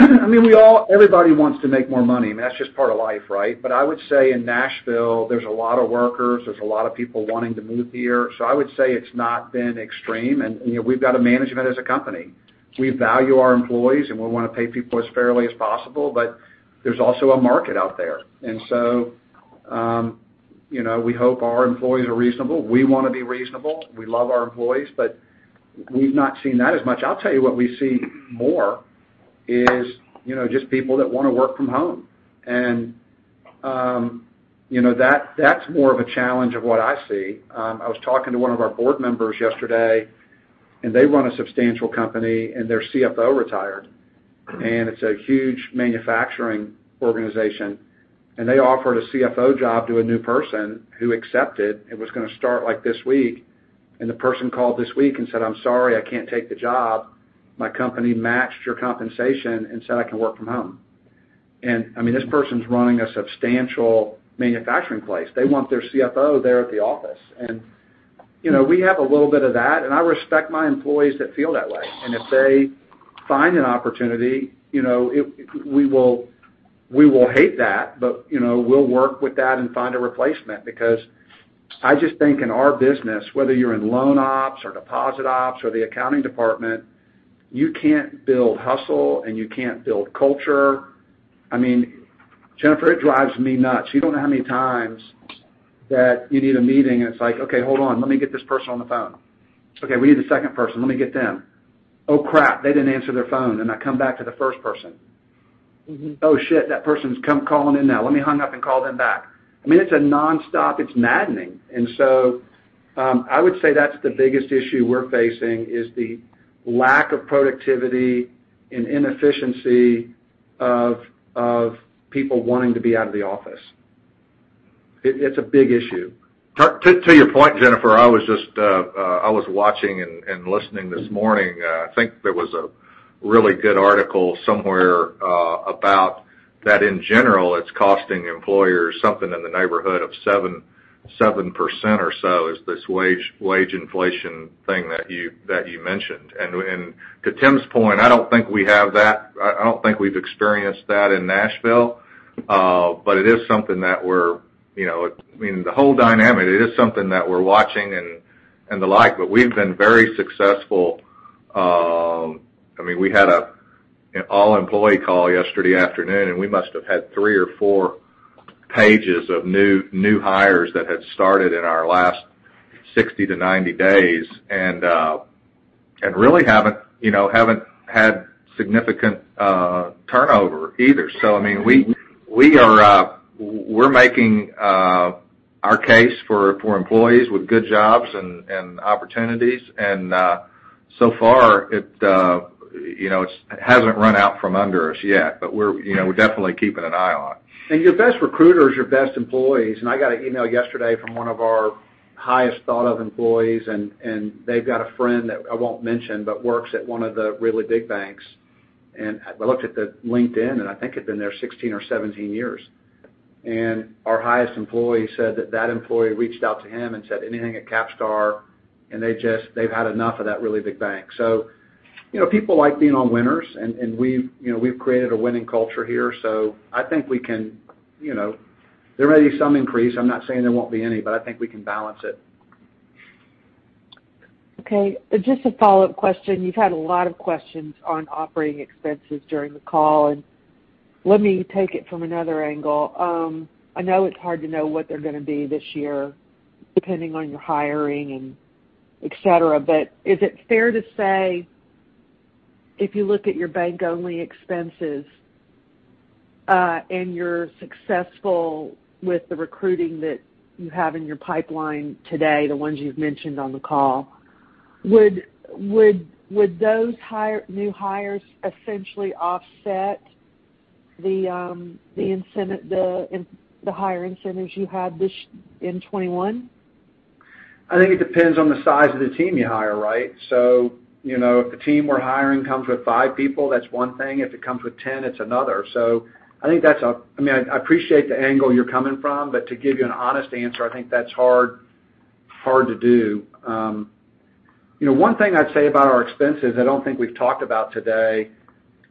I mean, we all, everybody wants to make more money, and that's just part of life, right? I would say in Nashville, there's a lot of workers, there's a lot of people wanting to move here. I would say it's not been extreme and we've got to manage it as a company. We value our employees, and we wanna pay people as fairly as possible, but there's also a market out there. We hope our employees are reasonable. We wanna be reasonable. We love our employees, but we've not seen that as much. I'll tell you what we see more is just people that wanna work from home. You know, that's more of a challenge of what I see. I was talking to one of our board members yesterday, and they run a substantial company, and their CFO retired. It's a huge manufacturing organization. They offered a CFO job to a new person who accepted and was gonna start, like, this week. The person called this week and said, "I'm sorry. I can't take the job. My company matched your compensation and said I can work from home." I mean, this person's running a substantial manufacturing place. They want their CFO there at the office. You know, we have a little bit of that, and I respect my employees that feel that way. If they find an opportunity we will hate that, but we'll work with that and find a replacement because I just think in our business, whether you're in loan ops or deposit ops or the accounting department, you can't build hustle and you can't build culture. I mean, Jennifer, it drives me nuts. You don't know how many times that you need a meeting, and it's like, "Okay, hold on. Let me get this person on the phone. Okay, we need the second person. Let me get them. Oh, crap, they didn't answer their phone," and I come back to the first person. Mm-hmm. Oh, shit, that person's calling in now. Let me hang up and call them back." I mean, it's nonstop. It's maddening. I would say that's the biggest issue we're facing is the lack of productivity and inefficiency of people wanting to be out of the office. It's a big issue. To your point, Jennifer, I was just watching and listening this morning. I think there was a really good article somewhere about that in general. It's costing employers something in the neighborhood of 7% or so. This wage inflation thing that you mentioned. To Tim's point, I don't think we have that. I don't think we've experienced that in Nashville. But it is something that we're watching. I mean, the whole dynamic, it is something that we're watching and the like, but we've been very successful. I mean, we had an all-employee call yesterday afternoon, and we must have had 3 or 4 pages of new hires that had started in our last 60-90 days, and really haven't had significant turnover either. I mean, we are making our case for employees with good jobs and opportunities. So far, it hasn't run out from under us yet. we're definitely keeping an eye on it. Your best recruiters are your best employees. I got an email yesterday from one of our highest thought of employees, and they've got a friend that I won't mention, but works at one of the really big banks. I looked at the LinkedIn, and I think had been there 16 or 17 years. Our highest employee said that that employee reached out to him and said anything at CapStar, and they just. They've had enough of that really big bank. You know, people like being on winners, and we've we've created a winning culture here. I think we can there may be some increase. I'm not saying there won't be any, but I think we can balance it. Okay. Just a follow-up question. You've had a lot of questions on operating expenses during the call, and let me take it from another angle. I know it's hard to know what they're gonna be this year, depending on your hiring and et cetera. Is it fair to say, if you look at your bank-only expenses, and you're successful with the recruiting that you have in your pipeline today, the ones you've mentioned on the call, would those new hires essentially offset the hire incentives you had this in 2021? I think it depends on the size of the team you hire, right? You know, if the team we're hiring comes with 5 people, that's one thing. If it comes with 10, it's another. I think that's. I mean, I appreciate the angle you're coming from, but to give you an honest answer, I think that's hard to do. You know, one thing I'd say about our expenses I don't think we've talked about today.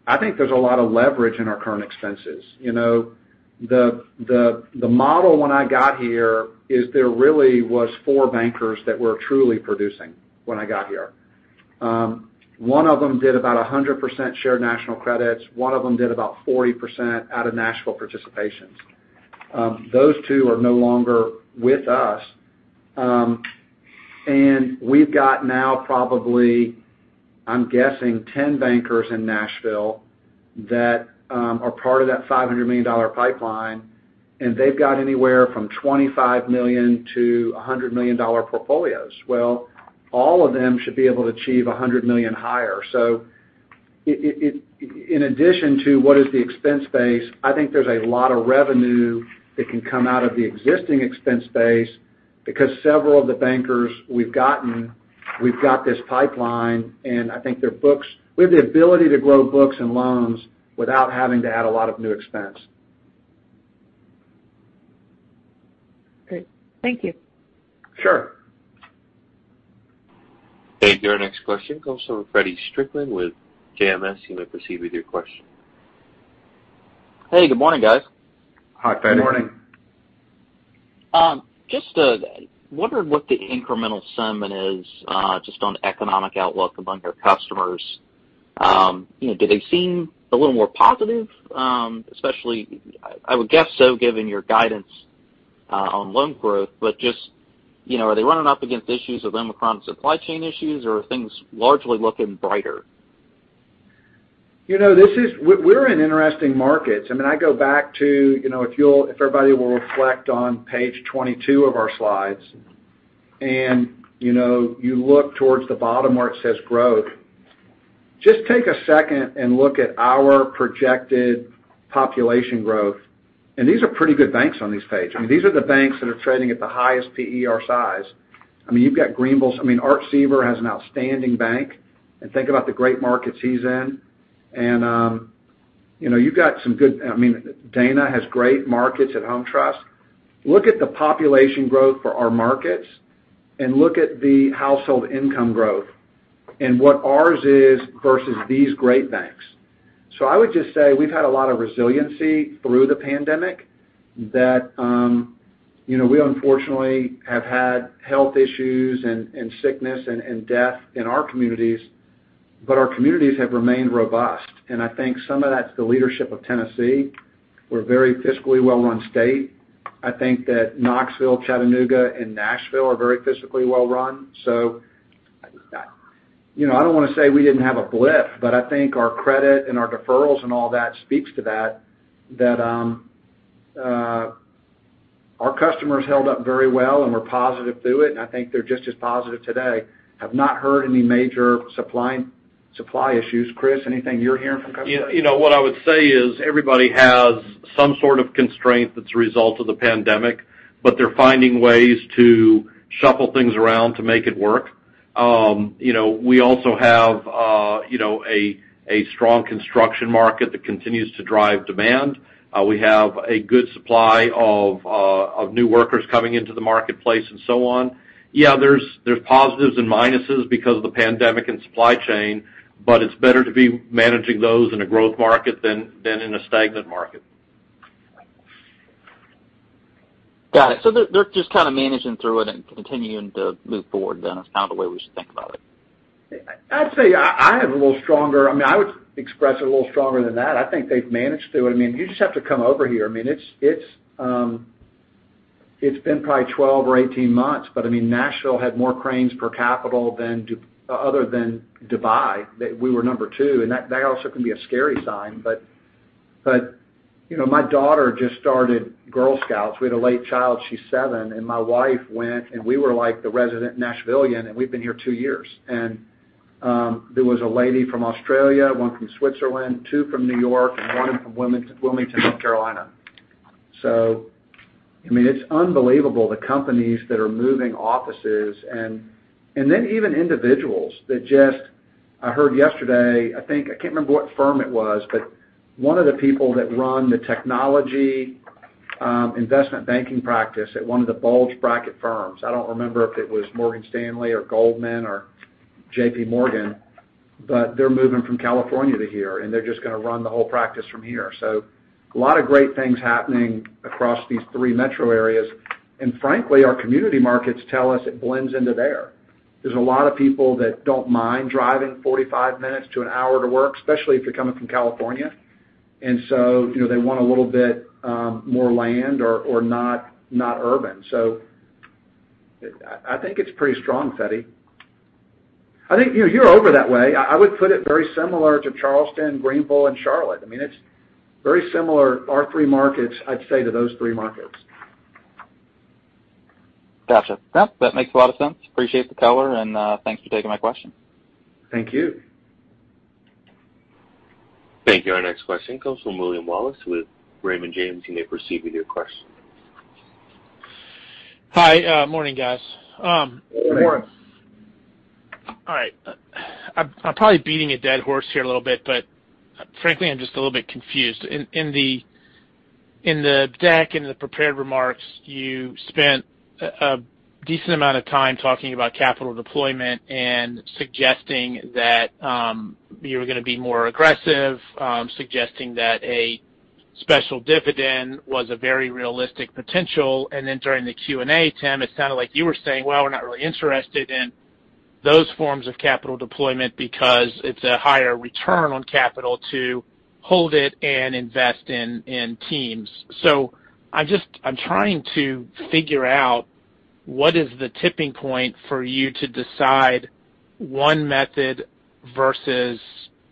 I think there's a lot of leverage in our current expenses. You know, the model when I got here is there really was 4 bankers that were truly producing when I got here. One of them did about 100% shared national credits. One of them did about 40% out-of-Nashville participations. Those two are no longer with us. We've got now probably, I'm guessing, 10 bankers in Nashville that are part of that $500 million pipeline, and they've got anywhere from $25 million to $100 million portfolios. Well, all of them should be able to achieve $100 million higher. In addition to what is the expense base, I think there's a lot of revenue that can come out of the existing expense base because several of the bankers we've gotten, we've got this pipeline, and I think their books we have the ability to grow books and loans without having to add a lot of new expense. Great. Thank you. Sure. Thank you. Our next question comes from Freddie Strickland with JMS. You may proceed with your question. Hey, good morning, guys. Hi, Feddie. Good morning. Just wondered what the incremental sentiment is, just on economic outlook among your customers. You know, do they seem a little more positive, especially I would guess so given your guidance on loan growth. just are they running up against issues of Omicron supply chain issues, or are things largely looking brighter? You know, this is. We're in interesting markets. I mean, I go back to if everybody will reflect on page 22 of our slides, and you look towards the bottom where it says growth, just take a second and look at our projected population growth. These are pretty good banks on this page. I mean, these are the banks that are trading at the highest P/E ratios. I mean, you've got Greenbrier. I mean, Art Seaver has an outstanding bank, and think about the great markets he's in. You know, you've got some good. I mean, Dana Stonestreet has great markets at HomeTrust. Look at the population growth for our markets, and look at the household income growth and what ours is versus these great banks. I would just say we've had a lot of resiliency through the pandemic that we unfortunately have had health issues and sickness and death in our communities, but our communities have remained robust. I think some of that's the leadership of Tennessee. We're a very fiscally well-run state. I think that Knoxville, Chattanooga, and Nashville are very fiscally well run. You know, I don't wanna say we didn't have a blip, but I think our credit and our deferrals and all that speaks to that, our customers held up very well and were positive through it, and I think they're just as positive today. Have not heard any major supply issues. Chris Tietz, anything you're hearing from customers? You know, what I would say is everybody has some sort of constraint that's a result of the pandemic, but they're finding ways to shuffle things around to make it work. You know, we also have a strong construction market that continues to drive demand. We have a good supply of new workers coming into the marketplace and so on. Yeah, there's positives and minuses because of the pandemic and supply chain, but it's better to be managing those in a growth market than in a stagnant market. Got it. They're just kinda managing through it and continuing to move forward then is kind of the way we should think about it. I'd say I have a little stronger. I mean, I would express it a little stronger than that. I think they've managed through it. I mean, you just have to come over here. I mean, it's been probably 12 or 18 months, but I mean, Nashville had more cranes per capita than Dubai. Other than Dubai, we were number two, and that also can be a scary sign. You know, my daughter just started Girl Scouts. We had a late child, she's seven, and my wife went, and we were like the resident Nashvillian, and we've been here two years. There was a lady from Australia, one from Switzerland, 2 from New York, and one from Wilmington, North Carolina. So I mean, it's unbelievable the companies that are moving offices and then even individuals that just I heard yesterday, I think. I can't remember what firm it was, but one of the people that run the technology investment banking practice at one of the bulge bracket firms. I don't remember if it was Morgan Stanley or Goldman or JP Morgan, but they're moving from California to here, and they're just gonna run the whole practice from here. A lot of great things happening across these three metro areas. Frankly, our community markets tell us it blends into there. There's a lot of people that don't mind driving 45 minutes to an hour to work, especially if they're coming from California. You know, they want a little bit more land or not urban. I think it's pretty strong, Feddie. I think you're over that way. I would put it very similar to Charleston, Greenville, and Charlotte. I mean, it's very similar, our three markets, I'd say, to those three markets. Gotcha. Yep, that makes a lot of sense. Appreciate the color, and thanks for taking my question. Thank you. Thank you. Our next question comes from William Wallace with Raymond James. You may proceed with your question. Hi. Morning, guys. Morning. Morning. All right. I'm probably beating a dead horse here a little bit, but frankly, I'm just a little bit confused. In the deck and the prepared remarks, you spent a decent amount of time talking about capital deployment and suggesting that you were gonna be more aggressive, suggesting that a special dividend was a very realistic potential. Then during the Q&A, Tim, it sounded like you were saying, "Well, we're not really interested in those forms of capital deployment because it's a higher return on capital to hold it and invest in teams." I'm just trying to figure out what is the tipping point for you to decide one method versus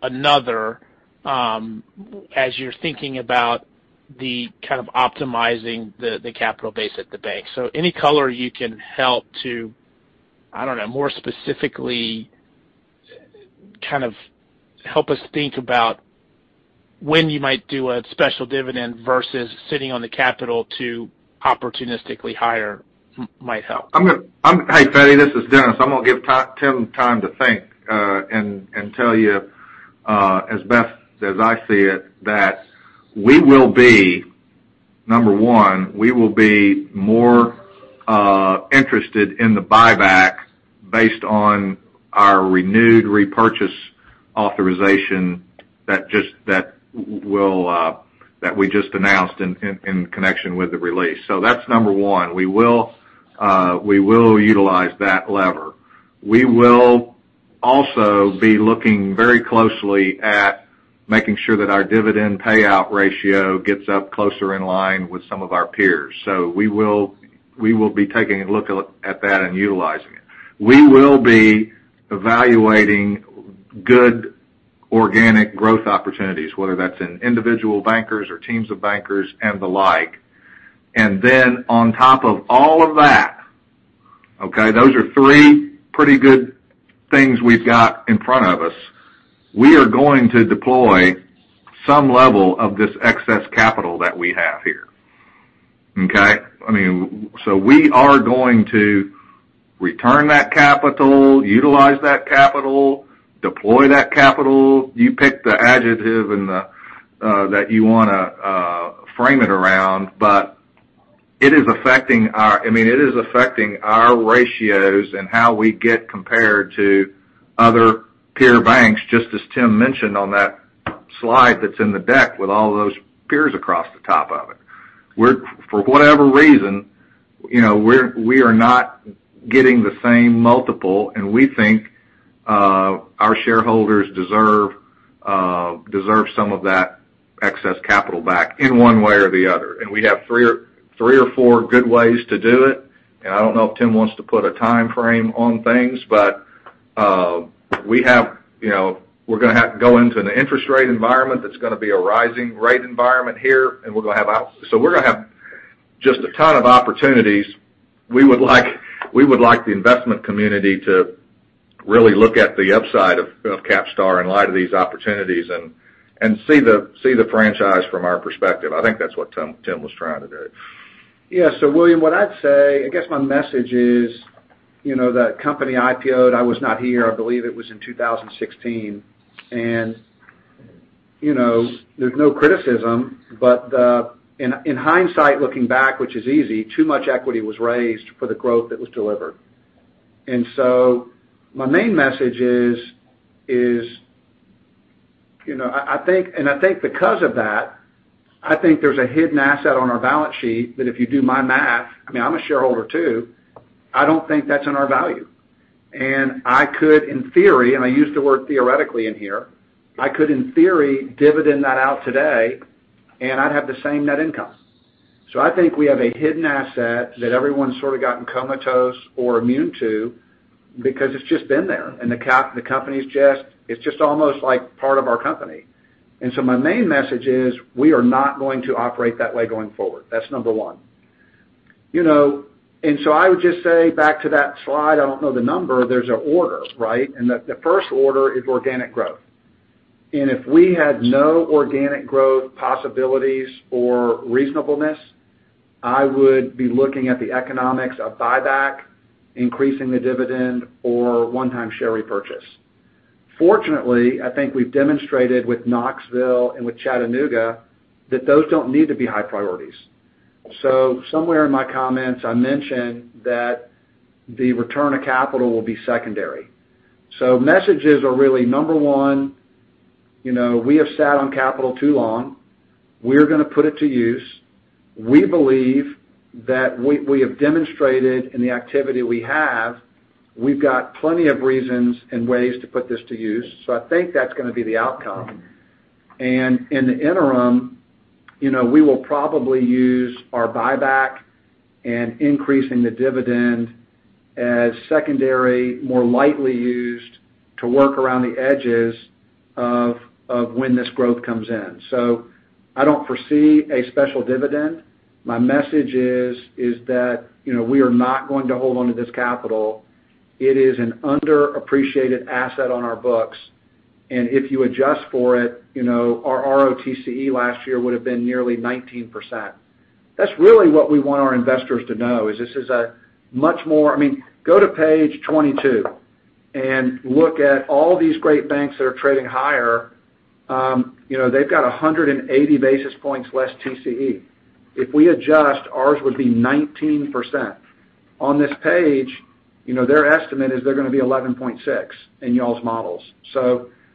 another as you're thinking about optimizing the capital base at the bank. Any color you can help to, I don't know, more specifically kind of help us think about when you might do a special dividend versus sitting on the capital to opportunistically hire might help. Hey, Feddie, this is Dennis. I'm gonna give Tim time to think and tell you as best as I see it that we will be number one more interested in the buyback based on our renewed repurchase authorization that we just announced in connection with the release. That's number one. We will utilize that lever. We will also be looking very closely at making sure that our dividend payout ratio gets up closer in line with some of our peers. We will be taking a look at that and utilizing it. We will be evaluating good organic growth opportunities whether that's in individual bankers or teams of bankers and the like. On top of all of that, okay, those are three pretty good things we've got in front of us. We are going to deploy some level of this excess capital that we have here, okay? I mean, we are going to return that capital, utilize that capital, deploy that capital. You pick the adjective and the that you wanna frame it around, but it is affecting our ratios and how we get compared to other peer banks, just as Tim mentioned on that slide that's in the deck with all those peers across the top of it. For whatever reason we are not getting the same multiple, and we think our shareholders deserve some of that excess capital back in one way or the other. We have three or four good ways to do it. I don't know if Tim wants to put a timeframe on things, but we have we're gonna have to go into an interest rate environment that's gonna be a rising rate environment here, and we're gonna have so we're gonna have just a ton of opportunities. We would like the investment community to really look at the upside of CapStar in light of these opportunities and see the franchise from our perspective. I think that's what Tim was trying to do. Yeah. William, what I'd say, I guess my message is the company IPO-ed, I was not here, I believe it was in 2016. You know, there's no criticism, but the... In hindsight, looking back, which is easy, too much equity was raised for the growth that was delivered. My main message is. You know, I think because of that, I think there's a hidden asset on our balance sheet that if you do my math, I mean, I'm a shareholder too, I don't think that's in our value. I could, in theory, and I use the word theoretically in here, I could, in theory, dividend that out today, and I'd have the same net income. I think we have a hidden asset that everyone's sort of gotten comatose or immune to because it's just been there, and the company's just. It's just almost like part of our company. My main message is we are not going to operate that way going forward. That's number one. You know, I would just say back to that slide. I don't know the number. There's an order, right? The first order is organic growth. If we had no organic growth possibilities or reasonableness, I would be looking at the economics of buyback, increasing the dividend or one-time share repurchase. Fortunately, I think we've demonstrated with Knoxville and with Chattanooga that those don't need to be high priorities. Somewhere in my comments, I mentioned that the return of capital will be secondary. Messages are really number one we have sat on capital too long. We're gonna put it to use. We believe that we have demonstrated in the activity we have. We've got plenty of reasons and ways to put this to use. I think that's gonna be the outcome. In the interim we will probably use our buyback and increasing the dividend as secondary, more lightly used to work around the edges of when this growth comes in. I don't foresee a special dividend. My message is that we are not going to hold on to this capital. It is an underappreciated asset on our books. If you adjust for it our ROTCE last year would have been nearly 19%. That's really what we want our investors to know, is this is a much more. I mean, go to page 22 and look at all these great banks that are trading higher. You know, they've got 180 basis points less TCE. If we adjust, ours would be 19%. On this page their estimate is they're gonna be 11.6 in y'all's models.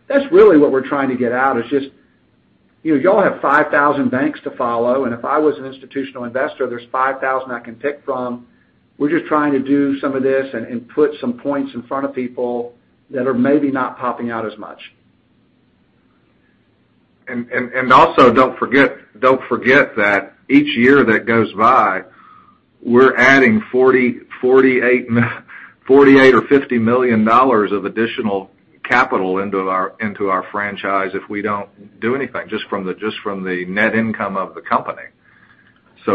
That's really what we're trying to get out, is just y'all have 5,000 banks to follow, and if I was an institutional investor, there's 5,000 I can pick from. We're just trying to do some of this and put some points in front of people that are maybe not popping out as much. Also, don't forget that each year that goes by, we're adding $48 million or $50 million of additional capital into our franchise if we don't do anything, just from the net income of the company.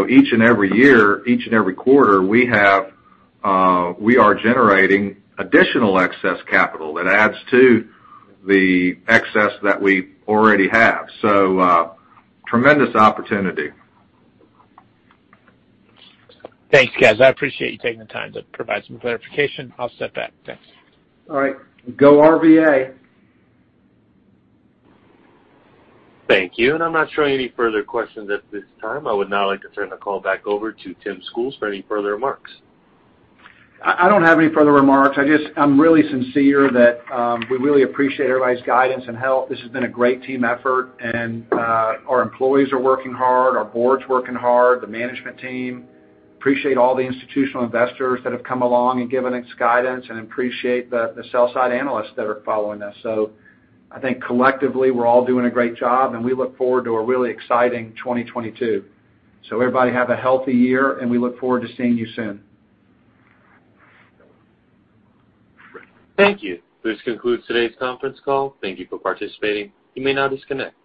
Each and every year, each and every quarter, we are generating additional excess capital that adds to the excess that we already have. Tremendous opportunity. Thanks, guys. I appreciate you taking the time to provide some clarification. I'll step back. Thanks. All right. Go RVA. Thank you. I'm not showing any further questions at this time. I would now like to turn the call back over to Tim Schools for any further remarks. I don't have any further remarks. I just, I'm really sincere that we really appreciate everybody's guidance and help. This has been a great team effort, and our employees are working hard, our board's working hard, the management team. I appreciate all the institutional investors that have come along and given us guidance and I appreciate the sell side analysts that are following us. I think collectively, we're all doing a great job, and we look forward to a really exciting 2022. Everybody have a healthy year, and we look forward to seeing you soon. Thank you. This concludes today's conference call. Thank you for participating. You may now disconnect.